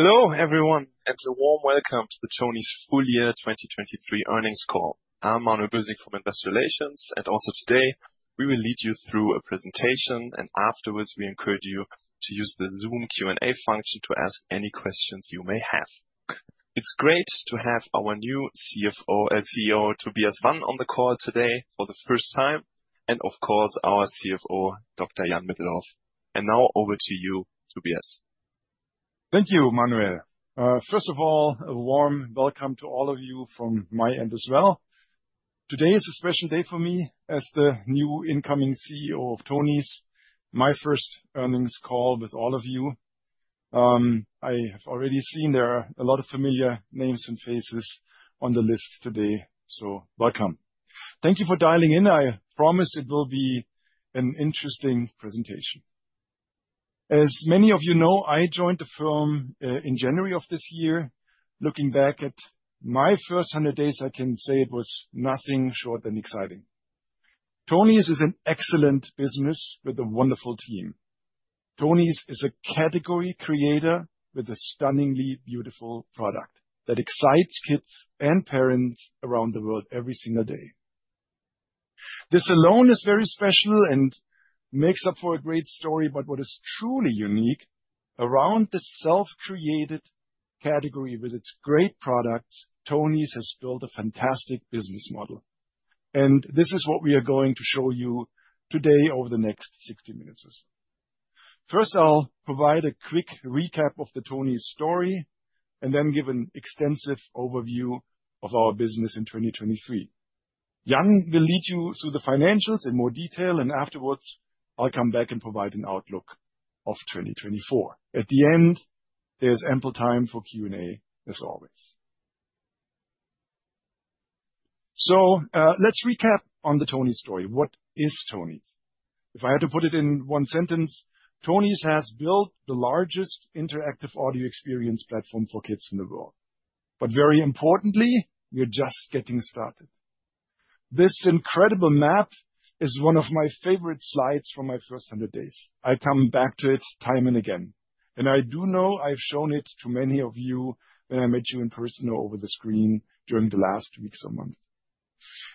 Hello, everyone, and a warm welcome to the Tonies' full year 2023 earnings call. I'm Manuel Bösing from Investor Relations, and also today, we will lead you through a presentation, and afterwards, we encourage you to use the Zoom Q&A function to ask any questions you may have. It's great to have our new CFO and CEO, Tobias Wann, on the call today for the first time, and of course, our CFO, Dr. Jan Middelhoff. And now over to you, Tobias. Thank you, Manuel. First of all, a warm welcome to all of you from my end as well. Today is a special day for me as the new incoming CEO of Tonies, my first earnings call with all of you. I have already seen there are a lot of familiar names and faces on the list today, so welcome. Thank you for dialing in. I promise it will be an interesting presentation. As many of you know, I joined the firm in January of this year. Looking back at my first 100 days, I can say it was nothing short than exciting. Tonies is an excellent business with a wonderful team. Tonies is a category creator with a stunningly beautiful product that excites kids and parents around the world every single day. This alone is very special and makes up for a great story, but what is truly unique, around this self-created category with its great products, Tonies has built a fantastic business model, and this is what we are going to show you today over the next 60 minutes or so. First, I'll provide a quick recap of the Tonies story, and then give an extensive overview of our business in 2023. Jan will lead you through the financials in more detail, and afterwards, I'll come back and provide an outlook of 2024. At the end, there's ample time for Q&A, as always. So, let's recap on the Tonies story. What is Tonies? If I had to put it in one sentence: Tonies has built the largest interactive audio experience platform for kids in the world, but very importantly, we are just getting started. This incredible map is one of my favorite slides from my first 100 days. I come back to it time and again, and I do know I've shown it to many of you when I met you in person or over the screen during the last weeks or months.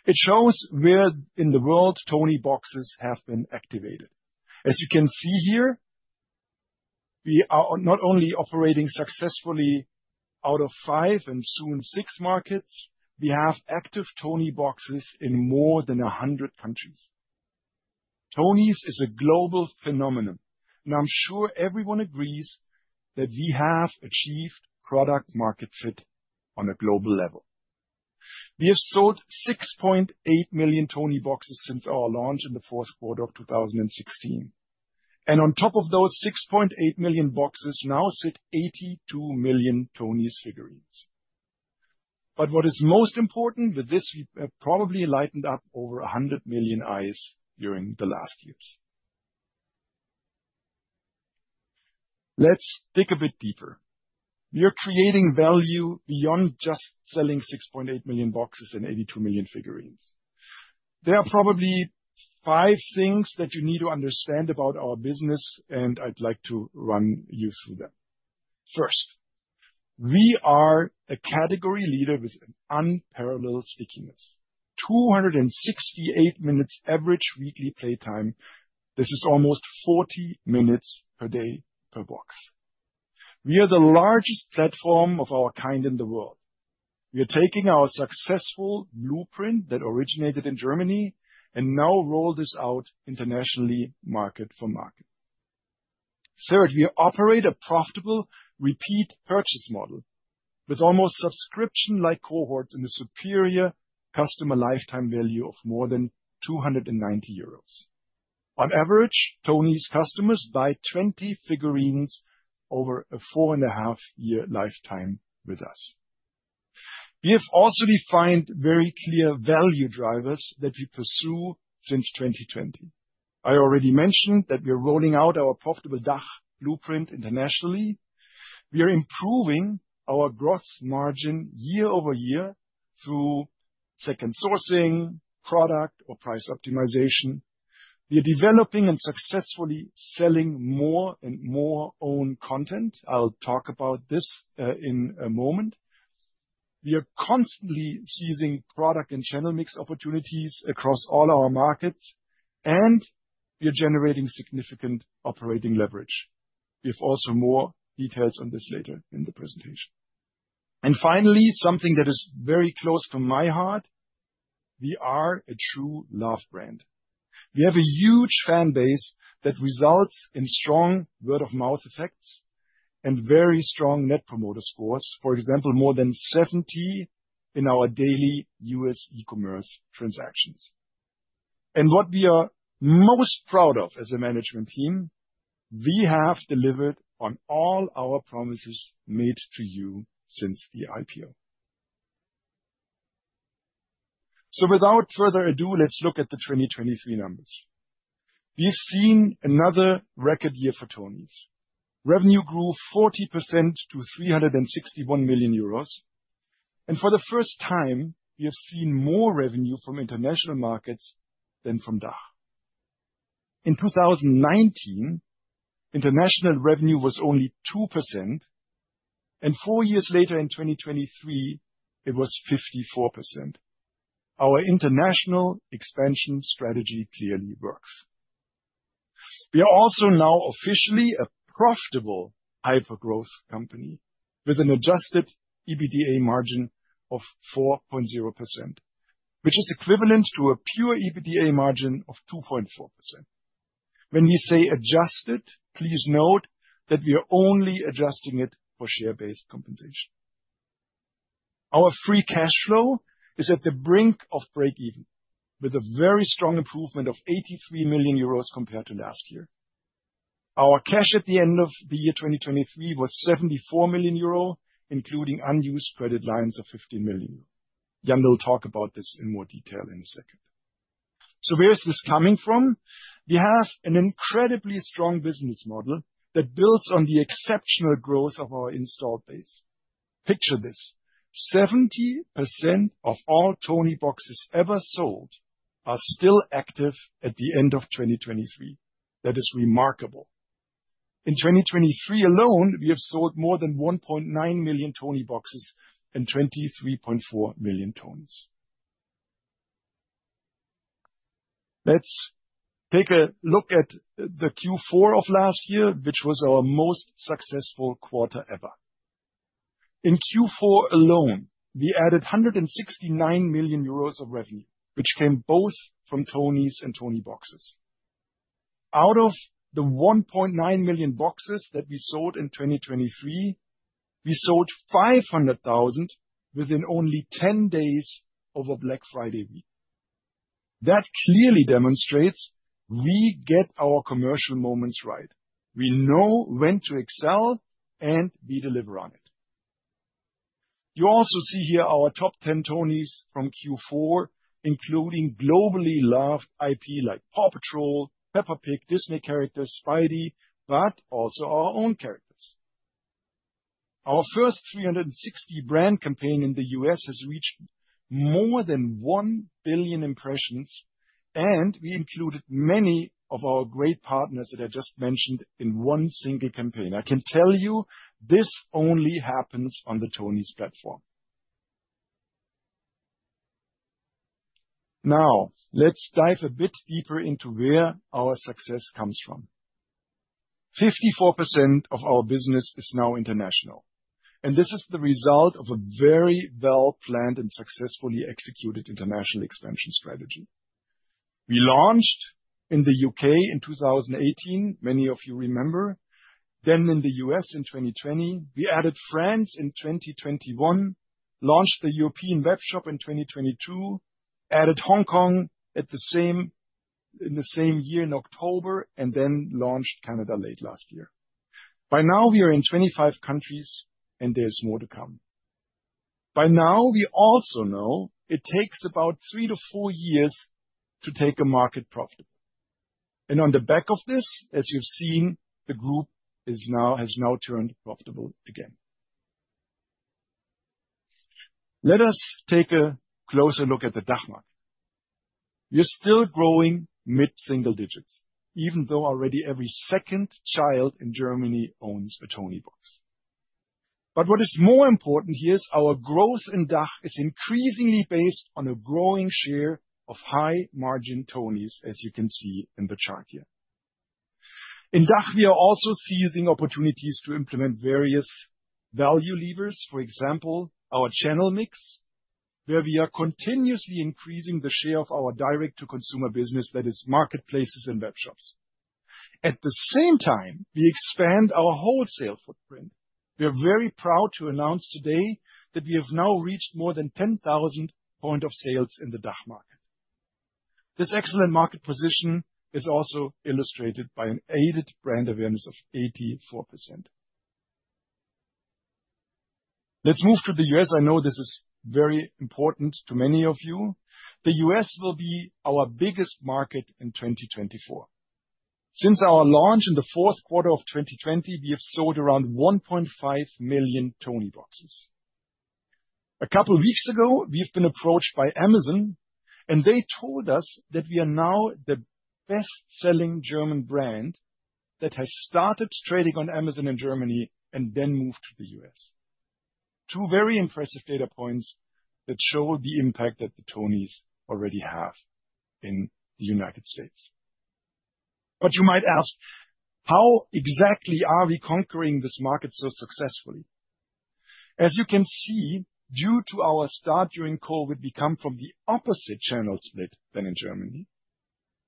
It shows where in the world Tonieboxes have been activated. As you can see here, we are not only operating successfully out of 5 and soon 6 markets, we have active Tonieboxes in more than 100 countries. Tonies is a global phenomenon, and I'm sure everyone agrees that we have achieved product market fit on a global level. We have sold 6.8 million Tonieboxes since our launch in the fourth quarter of 2016, and on top of those 6.8 million boxes now sit 82 million Tonies figurines. But what is most important, with this, we have probably lightened up over 100 million eyes during the last years. Let's dig a bit deeper. We are creating value beyond just selling 6.8 million boxes and 82 million figurines. There are probably 5 things that you need to understand about our business, and I'd like to run you through them. First, we are a category leader with an unparalleled stickiness. 268 minutes average weekly playtime, this is almost 40 minutes per day per box. We are the largest platform of our kind in the world. We are taking our successful blueprint that originated in Germany and now roll this out internationally, market for market. Third, we operate a profitable repeat purchase model with almost subscription-like cohorts and a superior customer lifetime value of more than 290 euros. On average, Tonies customers buy 20 figurines over a 4.5-year lifetime with us. We have also defined very clear value drivers that we pursue since 2020. I already mentioned that we are rolling out our profitable DACH blueprint internationally. We are improving our gross margin year-over-year through second sourcing, product or price optimization. We are developing and successfully selling more and more own content. I'll talk about this, in a moment. We are constantly seizing product and channel mix opportunities across all our markets, and we are generating significant operating leverage. We have also more details on this later in the presentation. And finally, something that is very close to my heart, we are a true love brand. We have a huge fan base that results in strong word-of-mouth effects and very strong net promoter scores. For example, more than 70 in our daily U.S. e-commerce transactions. And what we are most proud of as a management team, we have delivered on all our promises made to you since the IPO. So without further ado, let's look at the 2023 numbers. We've seen another record year for Tonies. Revenue grew 40% to 361 million euros, and for the first time, we have seen more revenue from international markets than from DACH. In 2019, international revenue was only 2%, and four years later, in 2023, it was 54%. Our international expansion strategy clearly works. We are also now officially a profitable hypergrowth company with an Adjusted EBITDA margin of 4.0%, which is equivalent to a pure EBITDA margin of 2.4%. When we say adjusted, please note that we are only adjusting it for share-based compensation. Our free cash flow is at the brink of break-even, with a very strong improvement of 83 million euros compared to last year. Our cash at the end of the year 2023 was 74 million euro, including unused credit lines of 15 million. Jan will talk about this in more detail in a second. So where is this coming from? We have an incredibly strong business model that builds on the exceptional growth of our installed base. Picture this, 70% of all Tonieboxes ever sold are still active at the end of 2023. That is remarkable. In 2023 alone, we have sold more than 1.9 million Tonieboxes and 23.4 million Tonies. Let's take a look at Q4 of last year, which was our most successful quarter ever. In Q4 alone, we added 169 million euros of revenue, which came both from Tonies and Tonieboxes. Out of the 1.9 million boxes that we sold in 2023, we sold 500,000 within only 10 days over Black Friday week. That clearly demonstrates we get our commercial moments right. We know when to excel, and we deliver on it. You also see here our top 10 Tonies from Q4, including globally loved IP like Paw Patrol, Peppa Pig, Disney characters, Spidey, but also our own characters. Our first 360 brand campaign in the U.S. has reached more than 1 billion impressions, and we included many of our great partners that I just mentioned in one single campaign. I can tell you this only happens on the Tonies platform. Now, let's dive a bit deeper into where our success comes from. 54% of our business is now international, and this is the result of a very well-planned and successfully executed international expansion strategy. We launched in the U.K. in 2018, many of you remember. Then in the U.S. in 2020, we added France in 2021, launched the European webshop in 2022, added Hong Kong in the same year in October, and then launched Canada late last year. By now, we are in 25 countries, and there's more to come. By now, we also know it takes about 3-4 years to take a market profitable. On the back of this, as you've seen, the group is now, has now turned profitable again. Let us take a closer look at the DACH market. We are still growing mid-single digits, even though already every second child in Germany owns a Toniebox. But what is more important here is our growth in DACH is increasingly based on a growing share of high-margin Tonies, as you can see in the chart here. In DACH, we are also seizing opportunities to implement various value levers. For example, our channel mix, where we are continuously increasing the share of our direct-to-consumer business, that is, marketplaces and webshops. At the same time, we expand our wholesale footprint. We are very proud to announce today that we have now reached more than 10,000 points of sale in the DACH market. This excellent market position is also illustrated by an aided brand awareness of 84%. Let's move to the US. I know this is very important to many of you. The U.S. will be our biggest market in 2024. Since our launch in the fourth quarter of 2020, we have sold around 1.5 million Tonieboxes. A couple weeks ago, we've been approached by Amazon, and they told us that we are now the best-selling German brand that has started trading on Amazon in Germany and then moved to the U.S. Two very impressive data points that show the impact that the Tonies already have in the United States. But you might ask, how exactly are we conquering this market so successfully? As you can see, due to our start during COVID, we come from the opposite channel split than in Germany,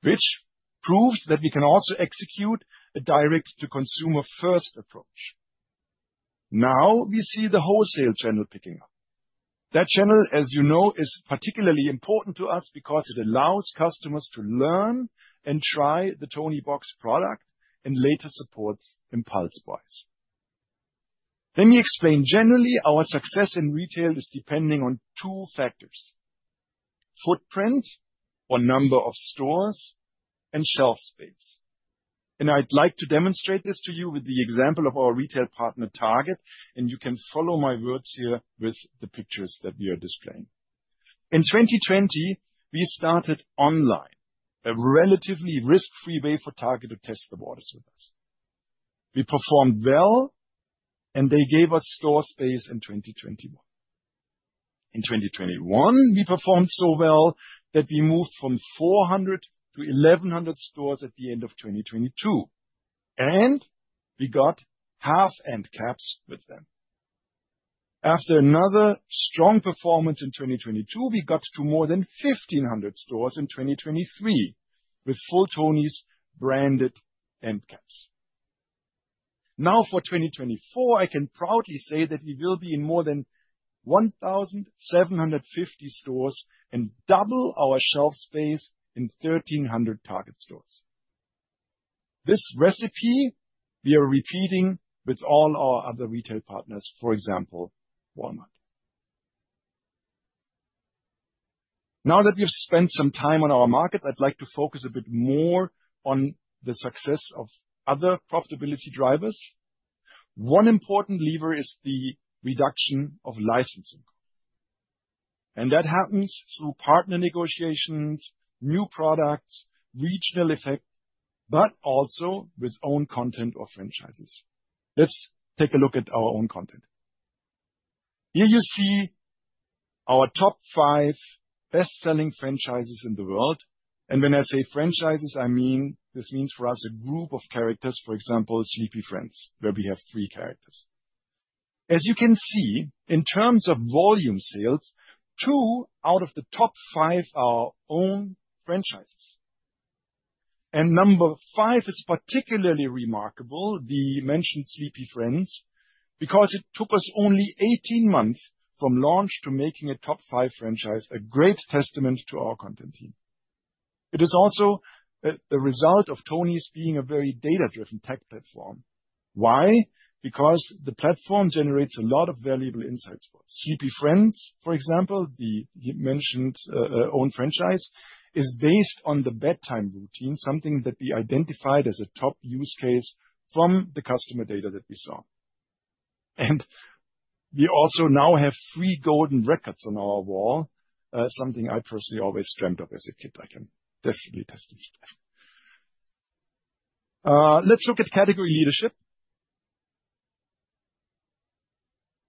which proves that we can also execute a direct-to-consumer first approach. Now, we see the wholesale channel picking up. That channel, as you know, is particularly important to us because it allows customers to learn and try the Toniebox product and later supports impulse buys. Let me explain, generally, our success in retail is depending on two factors: footprint or number of stores and shelf space. I'd like to demonstrate this to you with the example of our retail partner, Target, and you can follow my words here with the pictures that we are displaying. In 2020, we started online, a relatively risk-free way for Target to test the waters with us. We performed well, and they gave us store space in 2021. In 2021, we performed so well that we moved from 400 to 1,100 stores at the end of 2022, and we got half endcaps with them. After another strong performance in 2022, we got to more than 1,500 stores in 2023, with full Tonies branded endcaps. Now, for 2024, I can proudly say that we will be in more than 1,750 stores and double our shelf space in 1,300 Target stores. This recipe we are repeating with all our other retail partners, for example, Walmart. Now that we've spent some time on our markets, I'd like to focus a bit more on the success of other profitability drivers. One important lever is the reduction of licensing, and that happens through partner negotiations, new products, regional effect, but also with own content or franchises. Let's take a look at our own content. Here you see our top 5 best-selling franchises in the world. And when I say franchises, I mean, this means for us, a group of characters, for example, Sleepy Friends, where we have three characters. As you can see, in terms of volume sales, two out of the top five are our own franchises. And number five is particularly remarkable, the mentioned Sleepy Friends, because it took us only eighteen months from launch to making a top five franchise, a great testament to our content team. It is also the result of Tonies being a very data-driven tech platform. Why? Because the platform generates a lot of valuable insights for us. Sleepy Friends, for example, the mentioned own franchise, is based on the bedtime routine, something that we identified as a top use case from the customer data that we saw. We also now have 3 golden records on our wall, something I personally always dreamt of as a kid. I can definitely test this stuff. Let's look at category leadership.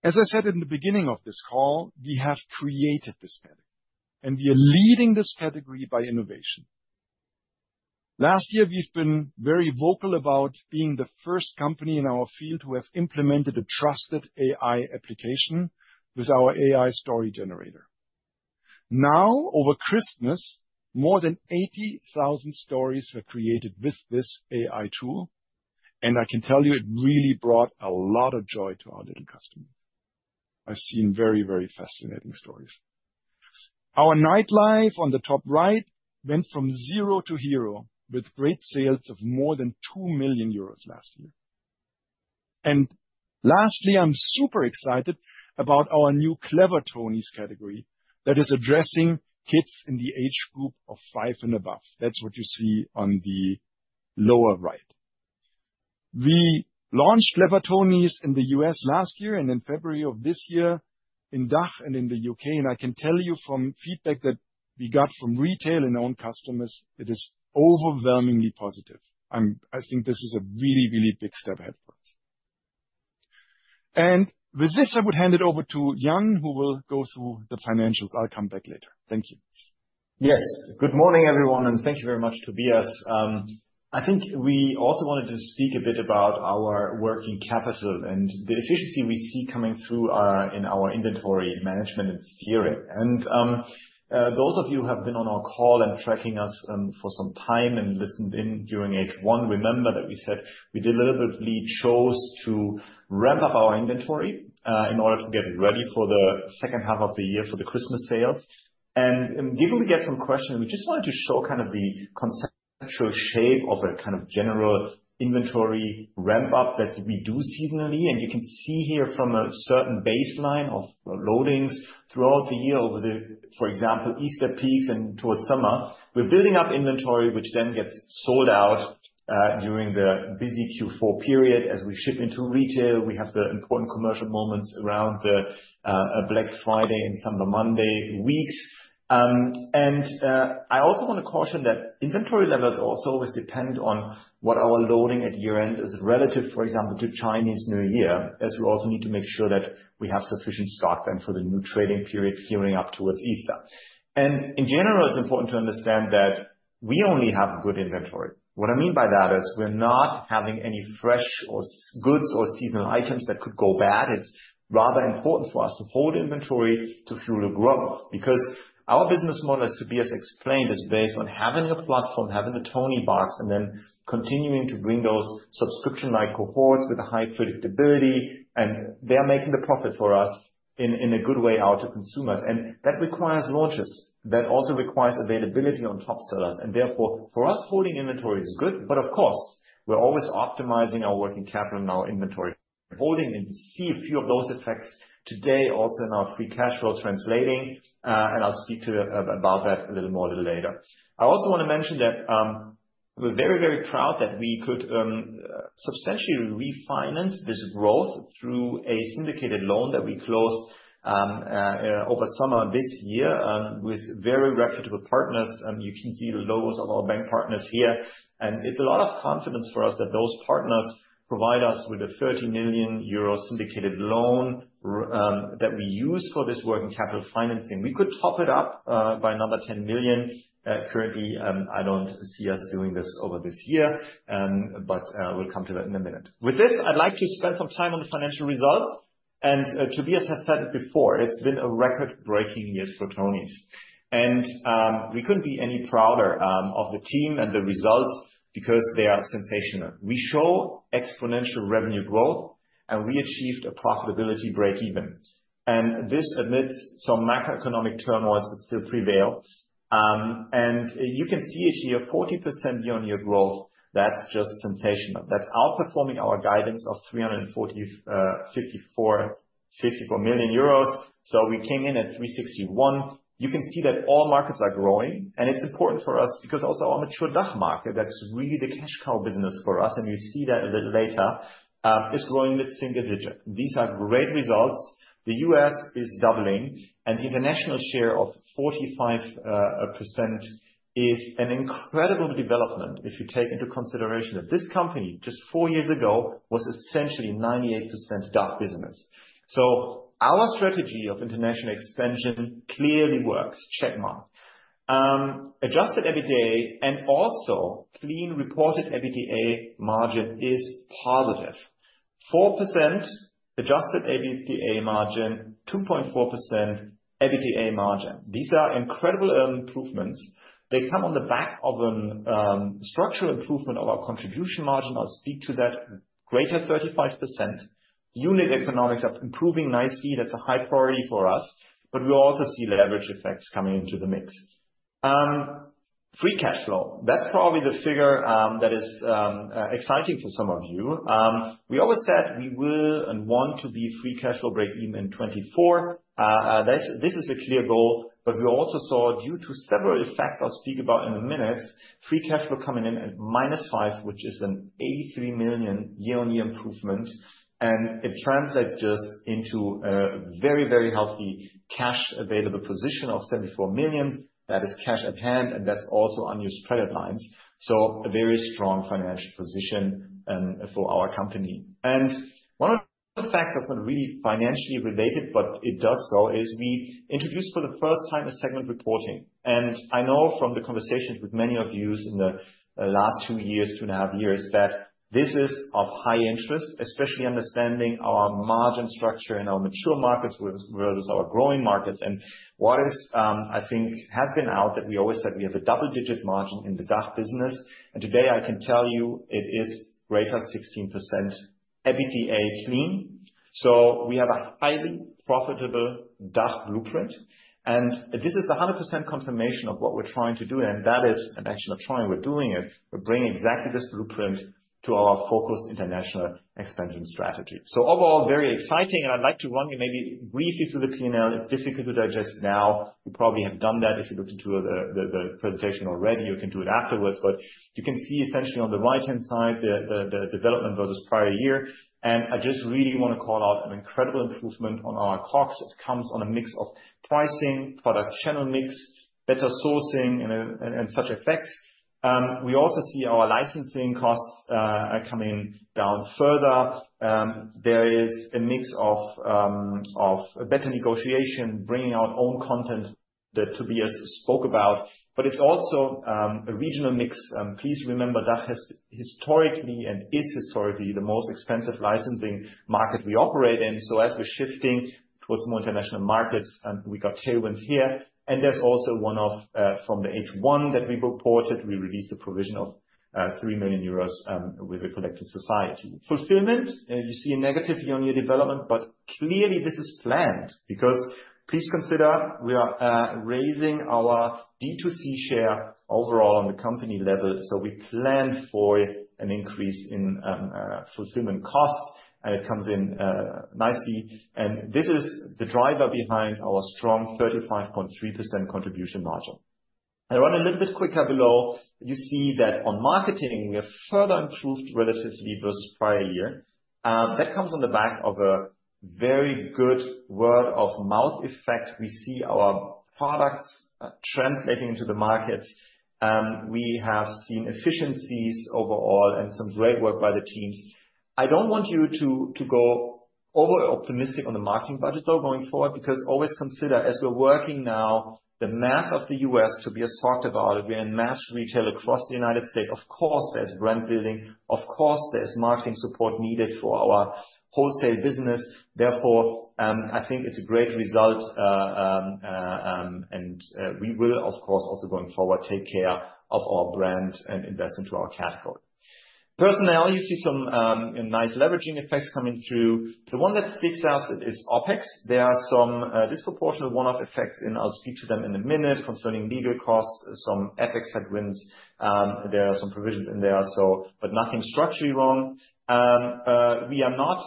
As I said in the beginning of this call, we have created this category, and we are leading this category by innovation. Last year, we've been very vocal about being the first company in our field to have implemented a trusted AI application with our AI Story Generator. Now, over Christmas, more than 80,000 stories were created with this AI tool, and I can tell you, it really brought a lot of joy to our little customers. I've seen very, very fascinating stories. Our Night Light on the top right went from zero to hero, with great sales of more than 2 million euros last year. Lastly, I'm super excited about our new Clever Tonies category that is addressing kids in the age group of five and above. That's what you see on the lower right. We launched Clever Tonies in the U.S. last year, and in February of this year in DACH and in the U.K., and I can tell you from feedback that we got from retail and our own customers, it is overwhelmingly positive. I think this is a really, really big step ahead for us. And with this, I would hand it over to Jan, who will go through the financials. I'll come back later. Thank you. Yes. Good morning, everyone, and thank you very much, Tobias. I think we also wanted to speak a bit about our working capital and the efficiency we see coming through our, in our inventory management and steering. And, those of you who have been on our call and tracking us, for some time and listened in during H1, remember that we said we deliberately chose to ramp up our inventory, in order to get ready for the second half of the year for the Christmas sales. Given we get some questions, we just wanted to show kind of the conceptual shape of a kind of general inventory ramp-up that we do seasonally. You can see here from a certain baseline of load-ins throughout the year, over, for example, Easter peaks and towards summer, we're building up inventory, which then gets sold out during the busy Q4 period as we ship into retail. We have the important commercial moments around the Black Friday and Cyber Monday weeks. And I also want to caution that inventory levels also always depend on what our loading at year-end is relative, for example, to Chinese New Year, as we also need to make sure that we have sufficient stock then for the new trading period gearing up towards Easter. In general, it's important to understand that we only have good inventory. What I mean by that is we're not having any fresh or goods or seasonal items that could go bad. It's rather important for us to hold inventory to fuel the growth, because our business model, as Tobias explained, is based on having a platform, having a Toniebox, and then continuing to bring those subscription-like cohorts with a high predictability, and they are making the profit for us in a good way, our consumers. That requires launches. That also requires availability on top sellers, and therefore, for us, holding inventory is good, but of course, we're always optimizing our working capital and our inventory holding, and you see a few of those effects today also in our free cash flow translating, and I'll speak about that a little more later. I also wanna mention that, we're very, very proud that we could, substantially refinance this growth through a syndicated loan that we closed, over summer this year, with very reputable partners, and you can see the logos of our bank partners here. And it's a lot of confidence for us that those partners provide us with a 30 million euro syndicated loan, that we use for this working capital financing. We could top it up, by another 10 million. Currently, I don't see us doing this over this year, but, we'll come to that in a minute. With this, I'd like to spend some time on the financial results, and, Tobias has said it before, it's been a record-breaking year for Tonies. We couldn't be any prouder of the team and the results because they are sensational. We show exponential revenue growth, and we achieved a profitability break-even, and this amidst some macroeconomic turmoil that still prevails. You can see it here, 40% year-on-year growth. That's just sensational. That's outperforming our guidance of 354 million euros, so we came in at 361 million. You can see that all markets are growing, and it's important for us because also our mature DACH market, that's really the cash cow business for us, and you see that a little later, is growing with single digits. These are great results. The US is doubling, and international share of 45% is an incredible development if you take into consideration that this company, just 4 years ago, was essentially 98% DACH business. So our strategy of international expansion clearly works. Check mark. Adjusted EBITDA and also clean reported EBITDA margin is positive. 4% adjusted EBITDA margin, 2.4% EBITDA margin. These are incredible improvements. They come on the back of an, structural improvement of our contribution margin. I'll speak to that. Greater 35%. Unit economics are improving nicely. That's a high priority for us, but we also see leverage effects coming into the mix. Free cash flow, that's probably the figure, that is, exciting for some of you. We always said we will and want to be free cash flow break-even in 2024. That's a clear goal, but we also saw, due to several effects I'll speak about in a minute, free cash flow coming in at -5 million, which is an 83 million year-on-year improvement, and it translates just into a very, very healthy cash available position of 74 million. That is cash at hand, and that's also unused credit lines, so a very strong financial position for our company. And one of the factors that are really financially related, but it does so, is we introduced for the first time a segment reporting. And I know from the conversations with many of you in the last two years, two and a half years, that this is of high interest, especially understanding our margin structure in our mature markets, whereas our growing markets. What is, I think has been out, that we always said we have a double-digit margin in the DACH business, and today I can tell you it is greater 16% EBITDA clean. So we have a highly profitable DACH blueprint, and this is a 100% confirmation of what we're trying to do, and that is an actual trying. We're doing it. We're bringing exactly this blueprint to our focused international expansion strategy. So overall, very exciting, and I'd like to run you maybe briefly through the P&L. It's difficult to digest now. You probably have done that if you looked into the presentation already, or you can do it afterwards. But you can see essentially on the right-hand side, the development versus prior year, and I just really want to call out an incredible improvement on our COGS. It comes on a mix of pricing, product channel mix, better sourcing, and, and such effects. We also see our licensing costs are coming down further. There is a mix of, of better negotiation, bringing our own content that Tobias spoke about, but it's also a regional mix. Please remember, DACH has historically, and is historically, the most expensive licensing market we operate in. So as we're shifting towards more international markets, and we got tailwinds here, and there's also one off from the H1 that we reported, we released a provision of 3 million euros with the collecting society. Fulfillment, you see a negative year-on-year development, but clearly this is planned, because please consider we are raising our D2C share overall on the company level, so we planned for an increase in fulfillment costs, and it comes in nicely. And this is the driver behind our strong 35.3% contribution margin. I run a little bit quicker below. You see that on marketing, we have further improved relatively versus prior year. That comes on the back of a very good word-of-mouth effect. We see our products translating into the market. We have seen efficiencies overall and some great work by the teams. I don't want you to, to go over optimistic on the marketing budget though, going forward, because always consider, as we're working now, the math of the U.S., Tobias talked about it, we are in mass retail across the United States. Of course, there's brand building, of course there's marketing support needed for our wholesale business. Therefore, I think it's a great result, and we will, of course, also going forward, take care of our brand and invest into our category. Personnel, you see some nice leveraging effects coming through. The one that sticks out is OpEx. There are some disproportionate one-off effects, and I'll speak to them in a minute, concerning legal costs, some FX headwinds. There are some provisions in there, so, but nothing structurally wrong. We are not,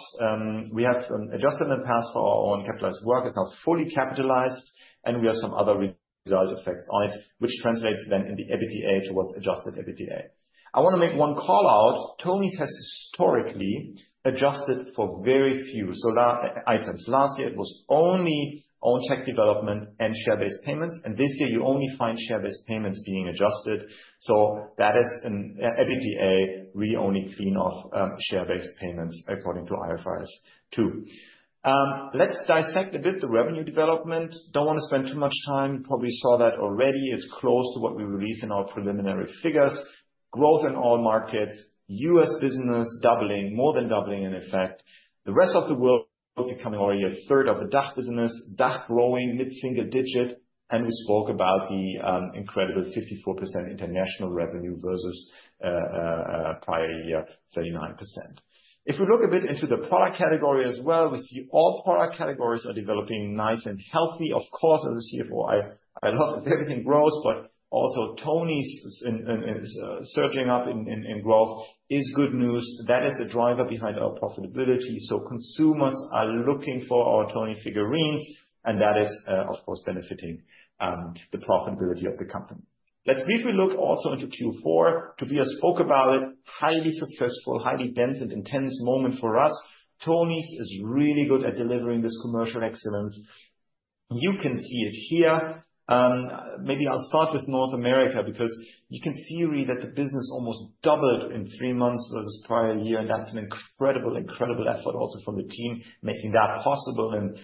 we have some adjustment in the past our own capitalized work is now fully capitalized, and we have some other result effects on it, which translates then in the EBITDA towards adjusted EBITDA. I wanna make one call out. Tonies has historically adjusted for very few so-called items. Last year it was only on tech development and share-based payments, and this year you only find share-based payments being adjusted. So that is in EBITDA, we only clean off share-based payments according to IFRS 2. Let's dissect a bit the revenue development. Don't wanna spend too much time. Probably saw that already. It's close to what we released in our preliminary figures. Growth in all markets, U.S. business doubling, more than doubling in effect. The rest of the world becoming already a third of the DACH business. DACH growing mid-single digit, and we spoke about the incredible 54% international revenue versus prior year, 39%. If we look a bit into the product category as well, we see all product categories are developing nice and healthy. Of course, as a CFO, I love everything grows, but also Tonies is surging up in growth is good news. That is a driver behind our profitability, so consumers are looking for our Tonies figurines, and that is, of course, benefiting the profitability of the company. Let's briefly look also into Q4. Tobias spoke about it, highly successful, highly dense and intense moment for us. Tonies is really good at delivering this commercial excellence. You can see it here. Maybe I'll start with North America, because you can see really that the business almost doubled in three months versus prior year, and that's an incredible, incredible effort also from the team making that possible. And,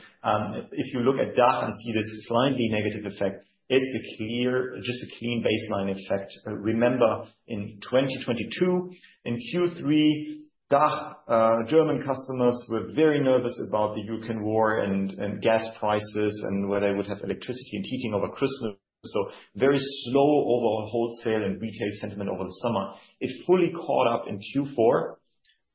if you look at DACH and see this slightly negative effect, it's a clear, just a clean baseline effect. Remember, in 2022, in Q3, DACH, German customers were very nervous about the Ukraine war and gas prices and whether they would have electricity and heating over Christmas. So very slow overall wholesale and retail sentiment over the summer. It fully caught up in Q4,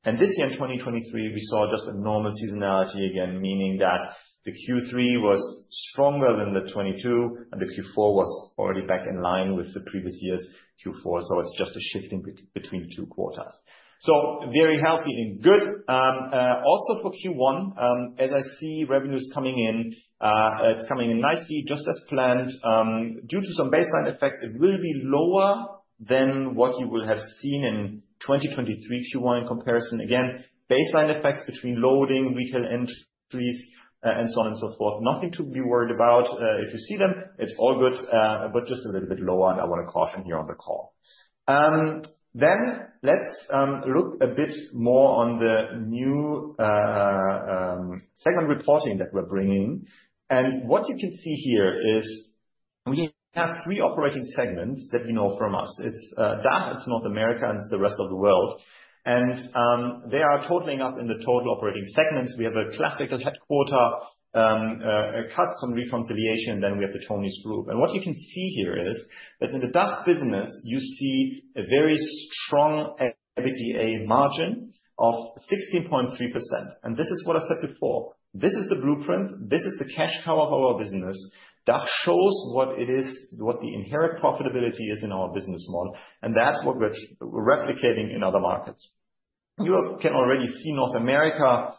and this year, in 2023, we saw just a normal seasonality again, meaning that the Q3 was stronger than the 2022, and the Q4 was already back in line with the previous year's Q4, so it's just a shift in between two quarters. So very healthy and good. Also for Q1, as I see revenues coming in, it's coming in nicely, just as planned. Due to some baseline effect, it will be lower than what you will have seen in 2023, Q1 in comparison. Again, baseline effects between loading, retail industries, and so on and so forth. Nothing to be worried about. If you see them, it's all good, but just a little bit lower, and I wanna caution you on the call. Then, let's look a bit more on the new segment reporting that we're bringing. What you can see here is we have three operating segments that you know from us. It's DACH, it's North America, and it's the rest of the world. They are totaling up in the total operating segments. We have a classical headquarters, costs and reconciliation, then we have the Tonies Group. What you can see here is that in the DACH business, you see a very strong EBITDA margin of 16.3%. And this is what I said before, this is the blueprint, this is the cash cow of our business. DACH shows what it is, what the inherent profitability is in our business model, and that's what we're replicating in other markets. You can already see North America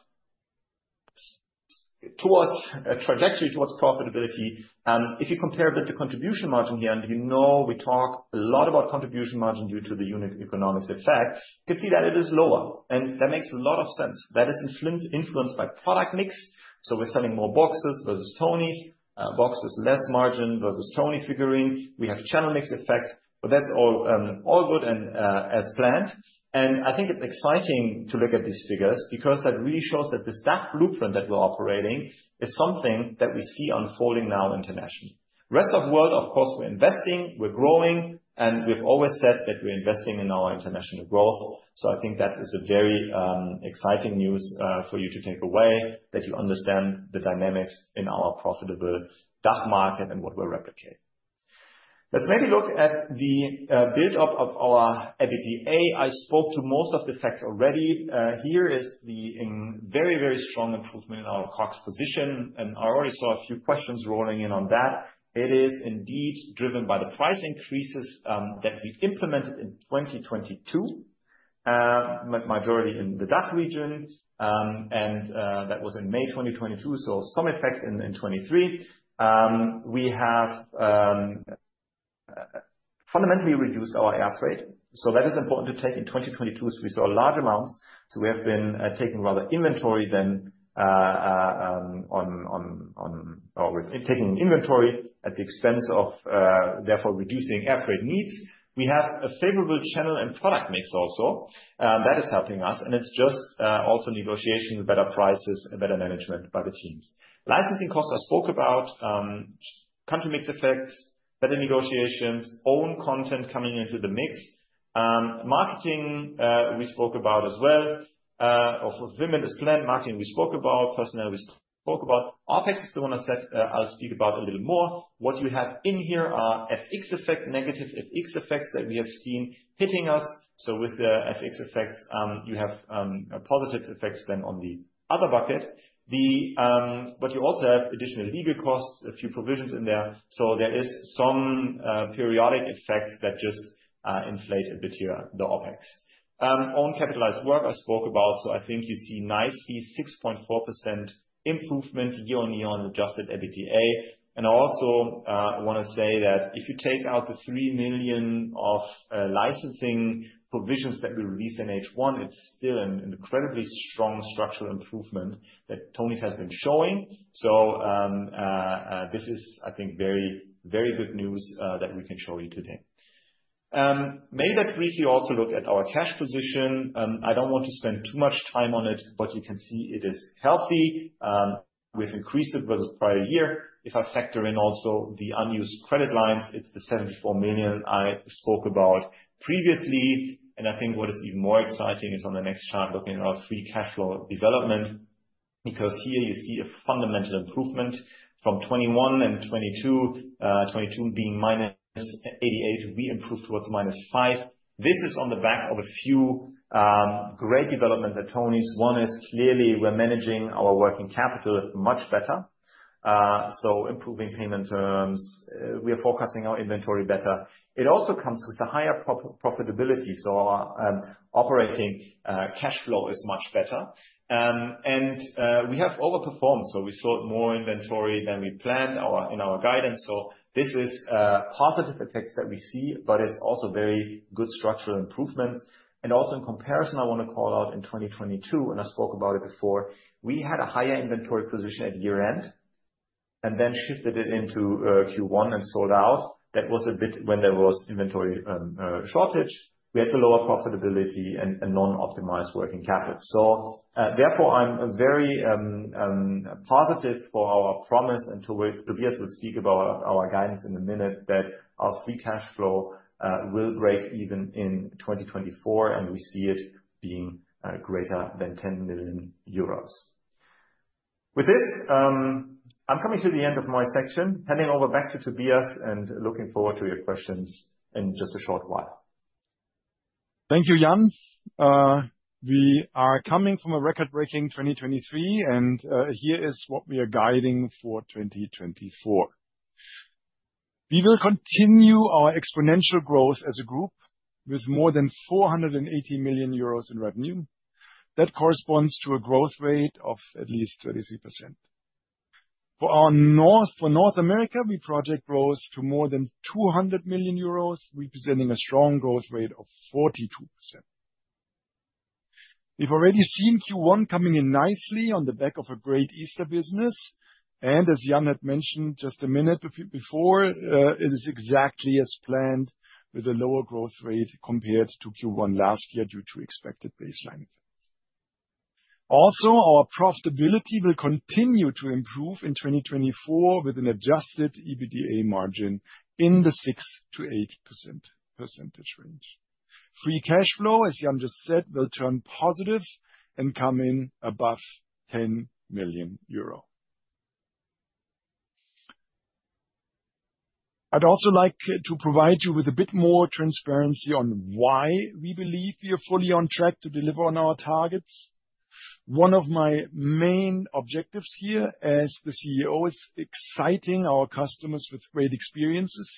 towards a trajectory towards profitability, and if you compare with the contribution margin here, and you know we talk a lot about contribution margin due to the unit economics effect, you can see that it is lower, and that makes a lot of sense. That is influenced by product mix, so we're selling more boxes versus Tonies. Toniebox is less margin versus Tonie figurine. We have channel mix effect, but that's all, all good and, as planned. And I think it's exciting to look at these figures, because that really shows that the DACH blueprint that we're operating is something that we see unfolding now internationally. Rest of the world, of course, we're investing, we're growing, and we've always said that we're investing in our international growth. So I think that is a very, exciting news, for you to take away, that you understand the dynamics in our profitable DACH market and what we're replicating. Let's maybe look at the, build-up of our EBITDA. I spoke to most of the facts already. Here is the, very, very strong improvement in our COGS position, and I already saw a few questions rolling in on that. It is indeed driven by the price increases that we implemented in 2022, majority in the DACH region, and that was in May 2022, so some effect in 2023. We have fundamentally reduced our air freight, so that is important to take. In 2022, we saw large amounts, so we have been taking rather inventory than or taking inventory at the expense of therefore reducing air freight needs. We have a favorable channel and product mix also that is helping us, and it's just also negotiation with better prices and better management by the teams. Licensing costs, I spoke about, country mix effects, better negotiations, own content coming into the mix. Marketing, we spoke about as well, of within as planned, marketing we spoke about, personnel we spoke about. OpEx is the one I said, I'll speak about a little more. What you have in here are FX effect, negative FX effects that we have seen hitting us. So with the FX effects, you have, positive effects then on the other bucket. But you also have additional legal costs, a few provisions in there, so there is some, periodic effects that just, inflate a bit here, the OpEx. Own capitalized work I spoke about, so I think you see nicely 6.4% improvement year-on-year on adjusted EBITDA. Also, I wanna say that if you take out the 3 million of licensing provisions that we released in H1, it's still an incredibly strong structural improvement that Tonies has been showing. So, this is, I think, very, very good news that we can show you today. Maybe we also look at our cash position. I don't want to spend too much time on it, but you can see it is healthy. We've increased it with the prior year. If I factor in also the unused credit lines, it's the 74 million I spoke about previously. And I think what is even more exciting is on the next chart, looking at our free cash flow development, because here you see a fundamental improvement from 2021 and 2022, 2022 being -88 million, we improved towards -5 million. This is on the back of a few great developments at Tonies. One is clearly we're managing our working capital much better, so improving payment terms, we are forecasting our inventory better. It also comes with a higher profitability, so our operating cash flow is much better. And we have overperformed, so we sold more inventory than we planned in our guidance. So this is positive effects that we see, but it's also very good structural improvements. And also in comparison, I wanna call out in 2022, and I spoke about it before, we had a higher inventory position at year-end, and then shifted it into Q1 and sold out. That was a bit when there was inventory shortage. We had the lower profitability and non-optimized working capital. So, therefore, I'm very positive for our promise, and Tobias will speak about our guidance in a minute, that our free cash flow will break-even in 2024, and we see it being greater than 10 million euros. With this, I'm coming to the end of my section, handing over back to Tobias, and looking forward to your questions in just a short while. Thank you, Jan. We are coming from a record-breaking 2023, and here is what we are guiding for 2024. We will continue our exponential growth as a group with more than 480 million euros in revenue. That corresponds to a growth rate of at least 33%. For North America, we project growth to more than 200 million euros, representing a strong growth rate of 42%. We've already seen Q1 coming in nicely on the back of a great Easter business, and as Jan had mentioned just a minute before, it is exactly as planned, with a lower growth rate compared to Q1 last year due to expected baseline. Also, our profitability will continue to improve in 2024, with an adjusted EBITDA margin in the 6%-8% range. Free cash flow, as Jan just said, will turn positive and come in above 10 million euro. I'd also like to provide you with a bit more transparency on why we believe we are fully on track to deliver on our targets. One of my main objectives here as the CEO is exciting our customers with great experiences,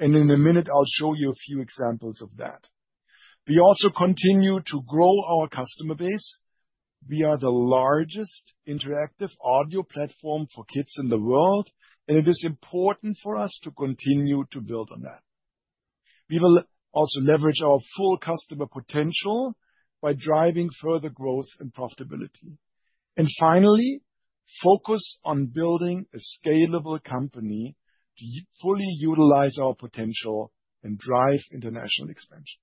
and in a minute, I'll show you a few examples of that. We also continue to grow our customer base. We are the largest interactive audio platform for kids in the world, and it is important for us to continue to build on that. We will also leverage our full customer potential by driving further growth and profitability. And finally, focus on building a scalable company to fully utilize our potential and drive international expansion.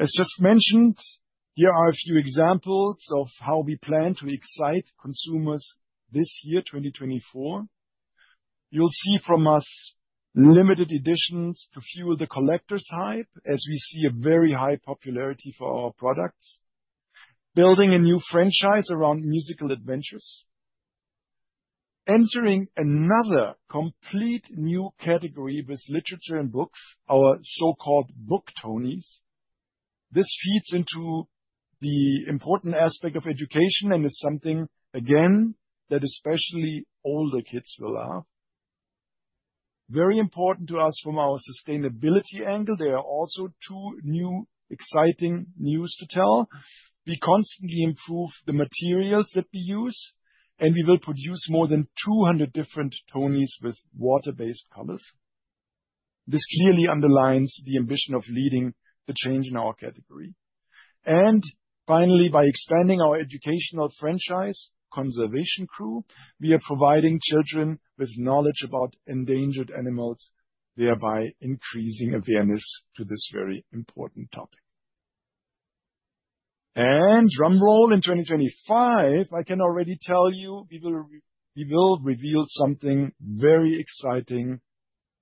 As just mentioned, here are a few examples of how we plan to excite consumers this year, 2024. You'll see from us limited editions to fuel the collectors' hype, as we see a very high popularity for our products. Building a new franchise around musical adventures. Entering another complete new category with literature and books, our so-called Book Tonies. This feeds into the important aspect of education and is something, again, that especially older kids will love. Very important to us from our sustainability angle, there are also two new exciting news to tell. We constantly improve the materials that we use, and we will produce more than 200 different Tonies with water-based colors. This clearly underlines the ambition of leading the change in our category. And finally, by expanding our educational franchise, Conservation Crew, we are providing children with knowledge about endangered animals, thereby increasing awareness to this very important topic. And drum roll, in 2025, I can already tell you, we will reveal something very exciting,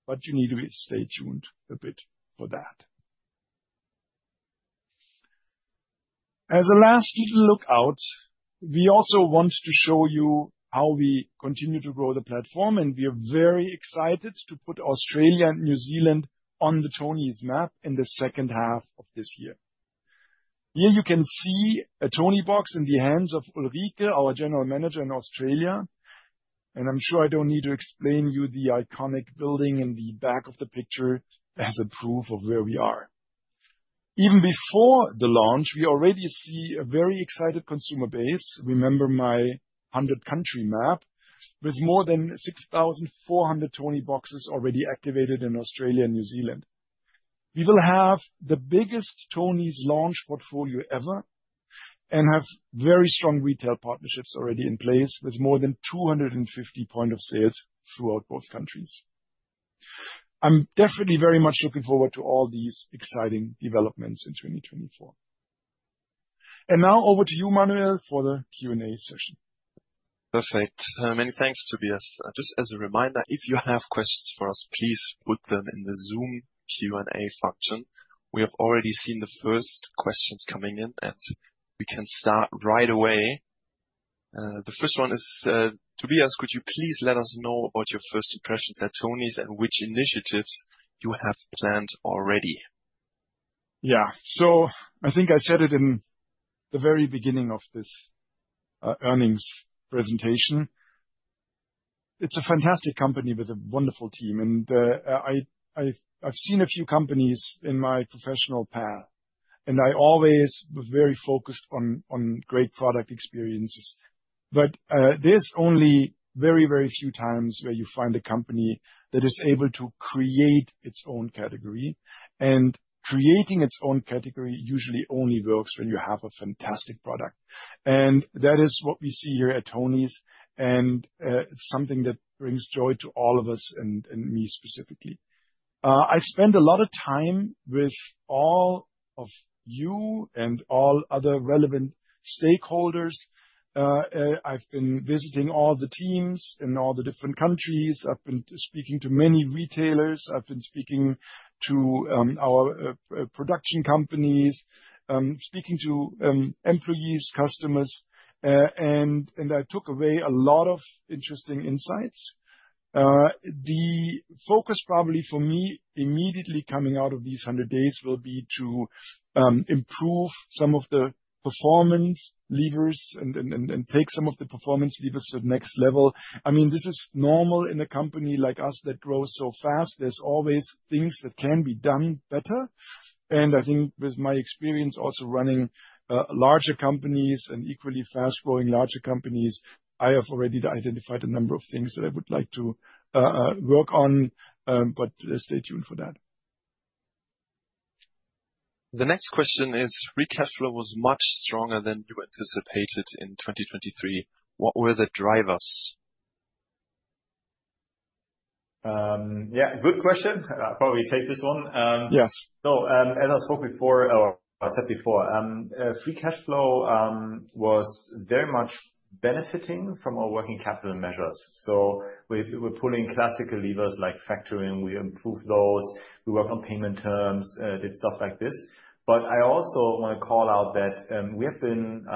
but you need to stay tuned a bit for that. As a last little look out, we also want to show you how we continue to grow the platform, and we are very excited to put Australia and New Zealand on the Tonies' map in the second half of this year. Here you can see a Toniebox in the hands of Ulrike, our general manager in Australia, and I'm sure I don't need to explain to you the iconic building in the back of the picture as proof of where we are. Even before the launch, we already see a very excited consumer base. Remember my 100-country map, with more than 6,400 Tonieboxes already activated in Australia and New Zealand. We will have the biggest Tonies launch portfolio ever, and have very strong retail partnerships already in place, with more than 250 points of sale throughout both countries. I'm definitely very much looking forward to all these exciting developments in 2024. And now over to you, Manuel, for the Q&A session. Perfect. Many thanks, Tobias. Just as a reminder, if you have questions for us, please put them in the Zoom Q&A function. We have already seen the first questions coming in, and we can start right away. The first one is: Tobias, could you please let us know about your first impressions at Tonies and which initiatives you have planned already? Yeah. So I think I said it in the very beginning of this earnings presentation. It's a fantastic company with a wonderful team, and I've seen a few companies in my professional path, and I always was very focused on great product experiences. But there's only very, very few times where you find a company that is able to create its own category, and creating its own category usually only works when you have a fantastic product. And that is what we see here at Tonies, and it's something that brings joy to all of us and me specifically. I spend a lot of time with all of you and all other relevant stakeholders. I've been visiting all the teams in all the different countries. I've been speaking to many retailers. I've been speaking to our production companies, speaking to employees, customers, and I took away a lot of interesting insights. The focus probably for me, immediately coming out of these 100 days, will be to improve some of the performance levers and take some of the performance levers to the next level. I mean, this is normal in a company like us that grows so fast. There's always things that can be done better, and I think with my experience also running larger companies and equally fast-growing larger companies, I have already identified a number of things that I would like to work on, but stay tuned for that. The next question is: Free cash flow was much stronger than you anticipated in 2023. What were the drivers? Yeah, good question. I'll probably take this one. Yes. So, as I spoke before, or I said before, free cash flow was very much benefiting from our working capital measures. So we, we're pulling classical levers like factoring. We improved those. We worked on payment terms, did stuff like this. But I also wanna call out that, we have been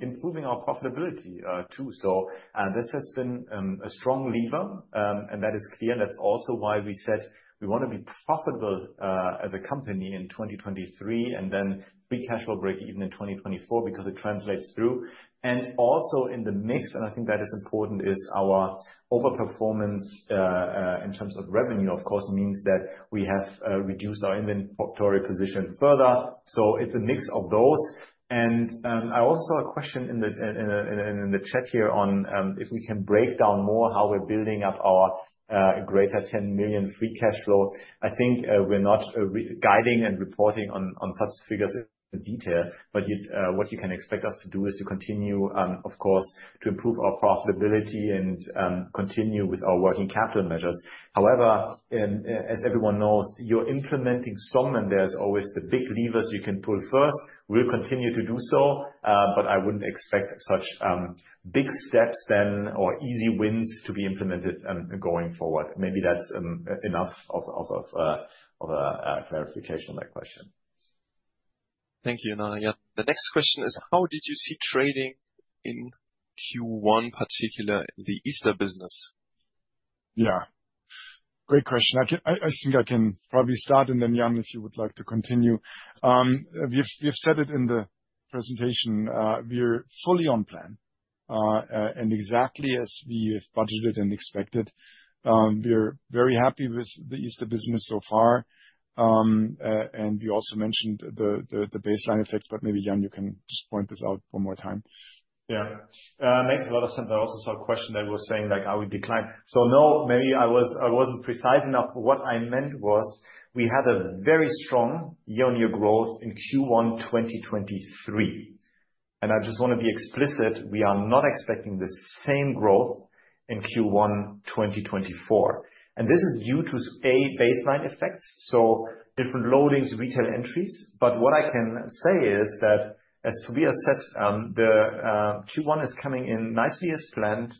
improving our profitability, too. So, this has been a strong lever, and that is clear. That's also why we said we wanna be profitable, as a company in 2023, and then be cash flow break-even in 2024, because it translates through. And also in the mix, and I think that is important, is our overperformance, in terms of revenue, of course, means that we have reduced our inventory position further. So it's a mix of those. I also a question in the chat here on if we can break down more how we're building up our greater 10 million free cash flow. I think, we're not guiding and reporting on such figures in detail, but what you can expect us to do is to continue, of course, to improve our profitability and continue with our working capital measures. However, as everyone knows, you're implementing some, and there's always the big levers you can pull first. We'll continue to do so, but I wouldn't expect such big steps then or easy wins to be implemented going forward. Maybe that's enough of a clarification on that question. Thank you, Manuel. The next question is: How did you see trading in Q1, particularly the Easter business? Yeah. Great question. I think I can probably start, and then, Jan, if you would like to continue. We've said it in the presentation. We're fully on plan, and exactly as we have budgeted and expected, we are very happy with the Easter business so far. And you also mentioned the baseline effects, but maybe, Jan, you can just point this out one more time. Yeah. Makes a lot of sense. I also saw a question that was saying, like, are we declined? So no, maybe I was- I wasn't precise enough. What I meant was, we had a very strong year-on-year growth in Q1 2023, and I just wanna be explicit, we are not expecting the same growth in Q1 2024. And this is due to, A, baseline effects, so different loadings, retail entries. But what I can say is that, as Tobias said, the Q1 is coming in nicely as planned.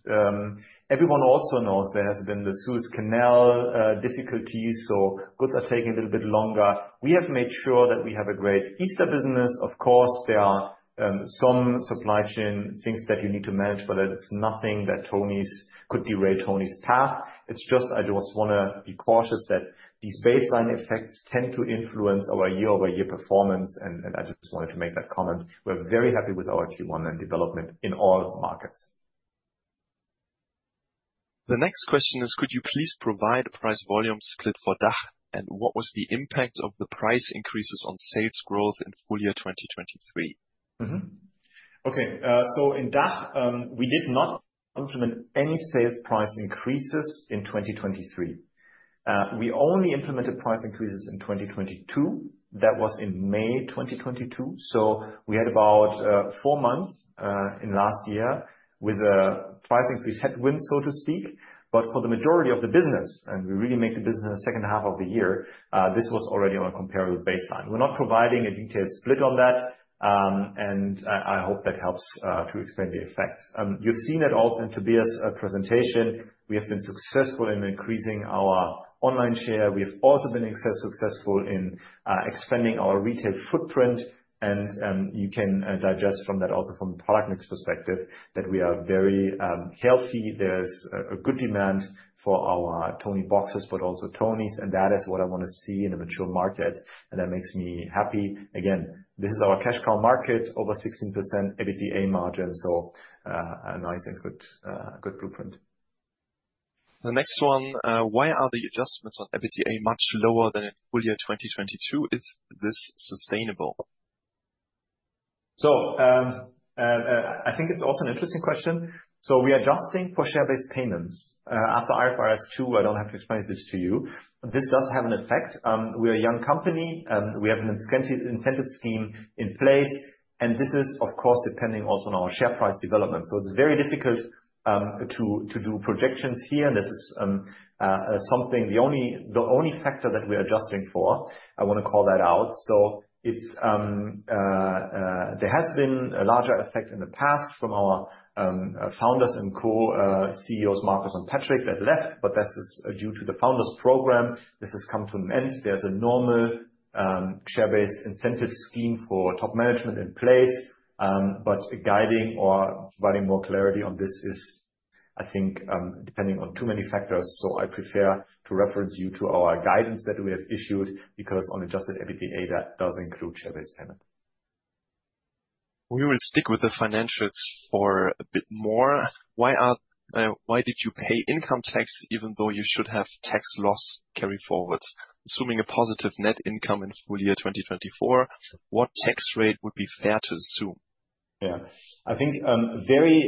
Everyone also knows there has been the Suez Canal difficulties, so goods are taking a little bit longer. We have made sure that we have a great Easter business. Of course, there are some supply chain things that you need to manage, but it's nothing that Tonies could derail Tonies' path. It's just, I just wanna be cautious that these baseline effects tend to influence our year-over-year performance, and, and I just wanted to make that comment. We're very happy with our Q1 and development in all markets. The next question is, could you please provide a price volume split for DACH? What was the impact of the price increases on sales growth in full year 2023? Okay, so in DACH, we did not implement any sales price increases in 2023. We only implemented price increases in 2022. That was in May 2022, so we had about four months in last year with a price increase headwind, so to speak. But for the majority of the business, and we really make the business in the second half of the year, this was already on a comparable baseline. We're not providing a detailed split on that, and I hope that helps to explain the effect. You've seen it also in Tobias's presentation. We have been successful in increasing our online share. We have also been successful in expanding our retail footprint, and you can digest from that also from a product mix perspective, that we are very healthy. There's a good demand for our Tonieboxes, but also Tonies, and that is what I wanna see in a mature market, and that makes me happy. Again, this is our cash cow market, over 16% EBITDA margin, so, a nice and good, good blueprint. The next one: Why are the adjustments on EBITDA much lower than in full year 2022? Is this sustainable? So, I think it's also an interesting question. So we are adjusting for share-based payments. After IFRS 2, I don't have to explain this to you. This does have an effect. We're a young company, and we have an incentive scheme in place, and this is, of course, depending also on our share price development. So it's very difficult to do projections here. This is something, the only factor that we're adjusting for, I wanna call that out. So it's there has been a larger effect in the past from our founders and co-CEOs, Marcus and Patric, that left, but this is due to the founders program. This has come to an end. There's a normal, share-based incentive scheme for top management in place, but guiding or providing more clarity on this is, I think, depending on too many factors. I prefer to reference you to our guidance that we have issued, because on adjusted EBITDA, that does include share-based payment. We will stick with the financials for a bit more. Why are, why did you pay income tax even though you should have tax loss carry-forwards? Assuming a positive net income in full year 2024, what tax rate would be fair to assume? Yeah. I think very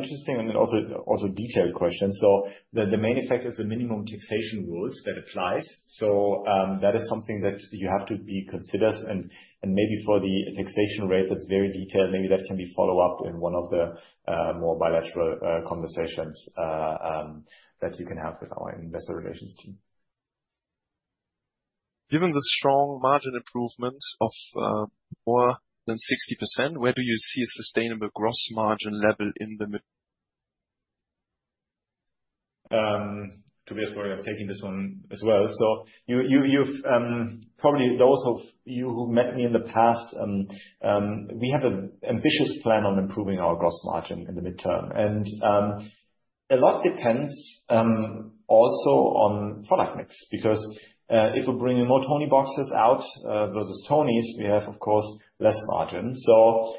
interesting and also detailed question. So the main effect is the minimum taxation rules that applies. So that is something that you have to be considered, and maybe for the taxation rate, that's very detailed, maybe that can be followed up in one of the more bilateral conversations that you can have with our investor relations team. Given the strong margin improvement of more than 60%, where do you see a sustainable gross margin level in the mid. Tobias, we're taking this one as well. So you've probably, those of you who met me in the past, we have an ambitious plan on improving our gross margin in the mid-term. And a lot depends also on product mix, because if we're bringing more Tonieboxes out versus Tonies, we have, of course, less margin. So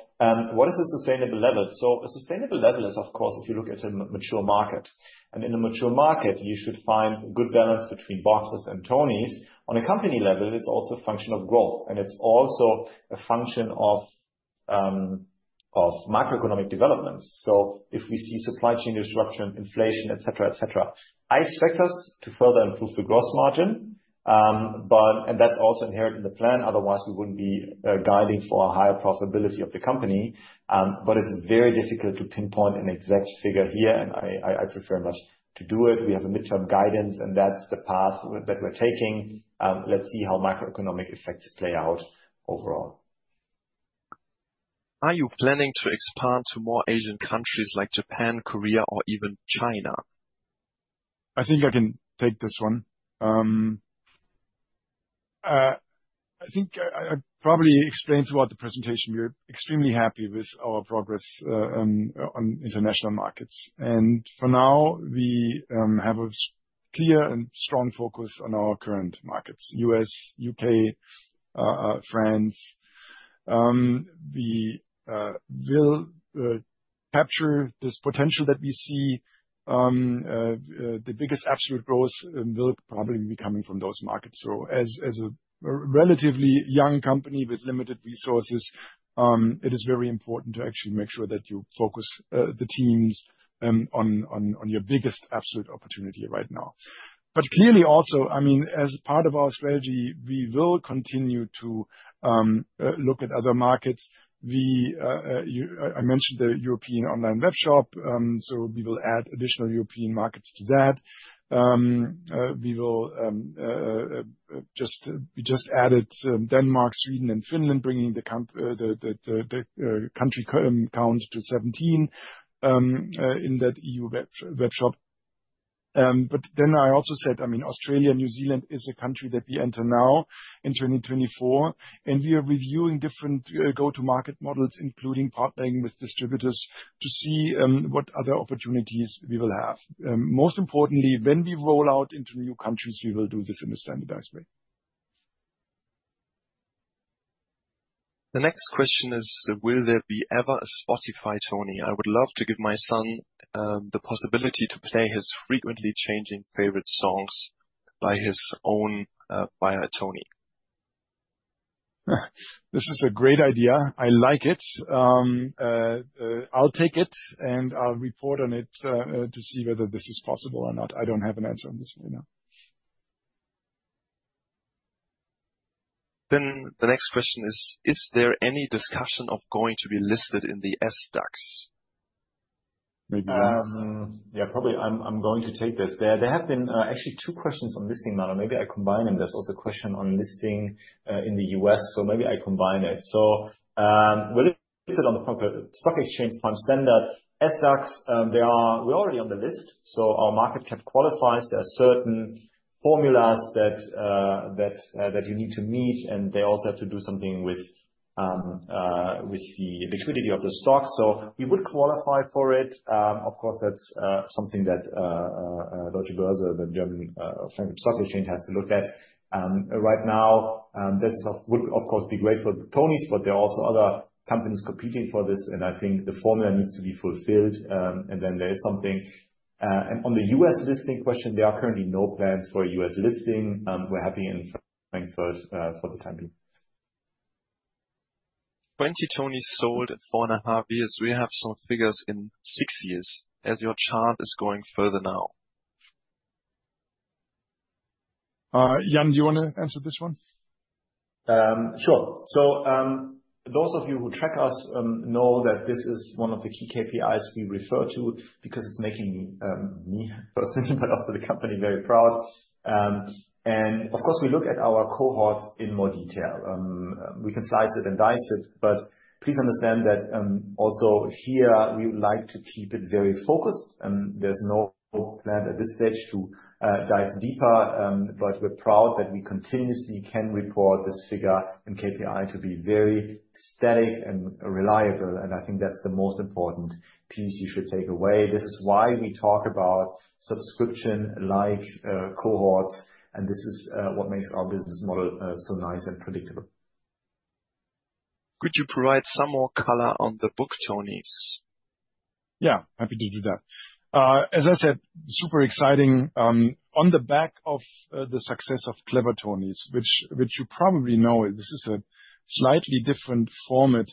what is a sustainable level? So a sustainable level is, of course, if you look at a mature market, and in a mature market, you should find good balance between boxes and Tonies. On a company level, it's also a function of growth, and it's also a function of macroeconomic developments. So if we see supply chain disruption, inflation, et cetera, et cetera, I expect us to further improve the gross margin, but and that's also inherent in the plan, otherwise we wouldn't be guiding for a higher profitability of the company. But it's very difficult to pinpoint an exact figure here, and I prefer not to do it. We have a mid-term guidance, and that's the path that we're taking. Let's see how macroeconomic effects play out overall. Are you planning to expand to more Asian countries like Japan, Korea, or even China? I think I can take this one. I think I probably explained throughout the presentation, we're extremely happy with our progress on international markets. For now, we have a clear and strong focus on our current markets, U.S., U.K., France. We will capture this potential that we see, the biggest absolute growth will probably be coming from those markets. So as a relatively young company with limited resources, it is very important to actually make sure that you focus the teams on your biggest absolute opportunity right now. But clearly also, I mean, as part of our strategy, we will continue to look at other markets. We, I mentioned the European online webshop, so we will add additional European markets to that. We just added Denmark, Sweden, and Finland, bringing the country count to 17 in that E.U. webshop. But then I also said, I mean, Australia and New Zealand is a country that we enter now in 2024, and we are reviewing different go-to-market models, including partnering with distributors, to see what other opportunities we will have. Most importantly, when we roll out into new countries, we will do this in a standardized way. The next question is, will there be ever a Spotify Tonie? I would love to give my son the possibility to play his frequently changing favorite songs by his own by a Tonie. This is a great idea. I like it. I'll take it, and I'll report on it, to see whether this is possible or not. I don't have an answer on this one now. The next question is, is there any discussion of going to be listed in the SDAX? Yeah, probably I'm going to take this. There have been actually two questions on listing now, or maybe I combine them. There's also a question on listing in the U.S., so maybe I combine it. So we listed on the stock exchange Prime Standard SDAX. There are- we're already on the list, so our market cap qualifies. There are certain formulas that that you need to meet, and they also have to do something with with the liquidity of the stock. So we would qualify for it. Of course, that's something that Deutsche Börse, the German stock exchange, has to look at. Right now, this would, of course, be great for the Tonies, but there are also other companies competing for this, and I think the formula needs to be fulfilled, and then there is something. On the U.S. listing question, there are currently no plans for a U.S. listing. We're happy in Frankfurt, for the time being. 20 Tonies sold at 4.5 years. Will you have some figures in 6 years, as your chart is going further now? Jan, do you wanna answer this one? Sure. So, those of you who track us know that this is one of the key KPIs we refer to because it's making me personally, but also the company very proud. And of course, we look at our cohort in more detail. We can slice it and dice it, but please understand that, also here, we would like to keep it very focused, and there's no plan at this stage to dive deeper. But we're proud that we continuously can report this figure and KPI to be very static and reliable, and I think that's the most important piece you should take away. This is why we talk about subscription-like cohorts, and this is what makes our business model so nice and predictable. Could you provide some more color on the Book Tonies? Yeah, happy to do that. As I said, super exciting. On the back of the success of Clever Tonies, which you probably know, this is a slightly different format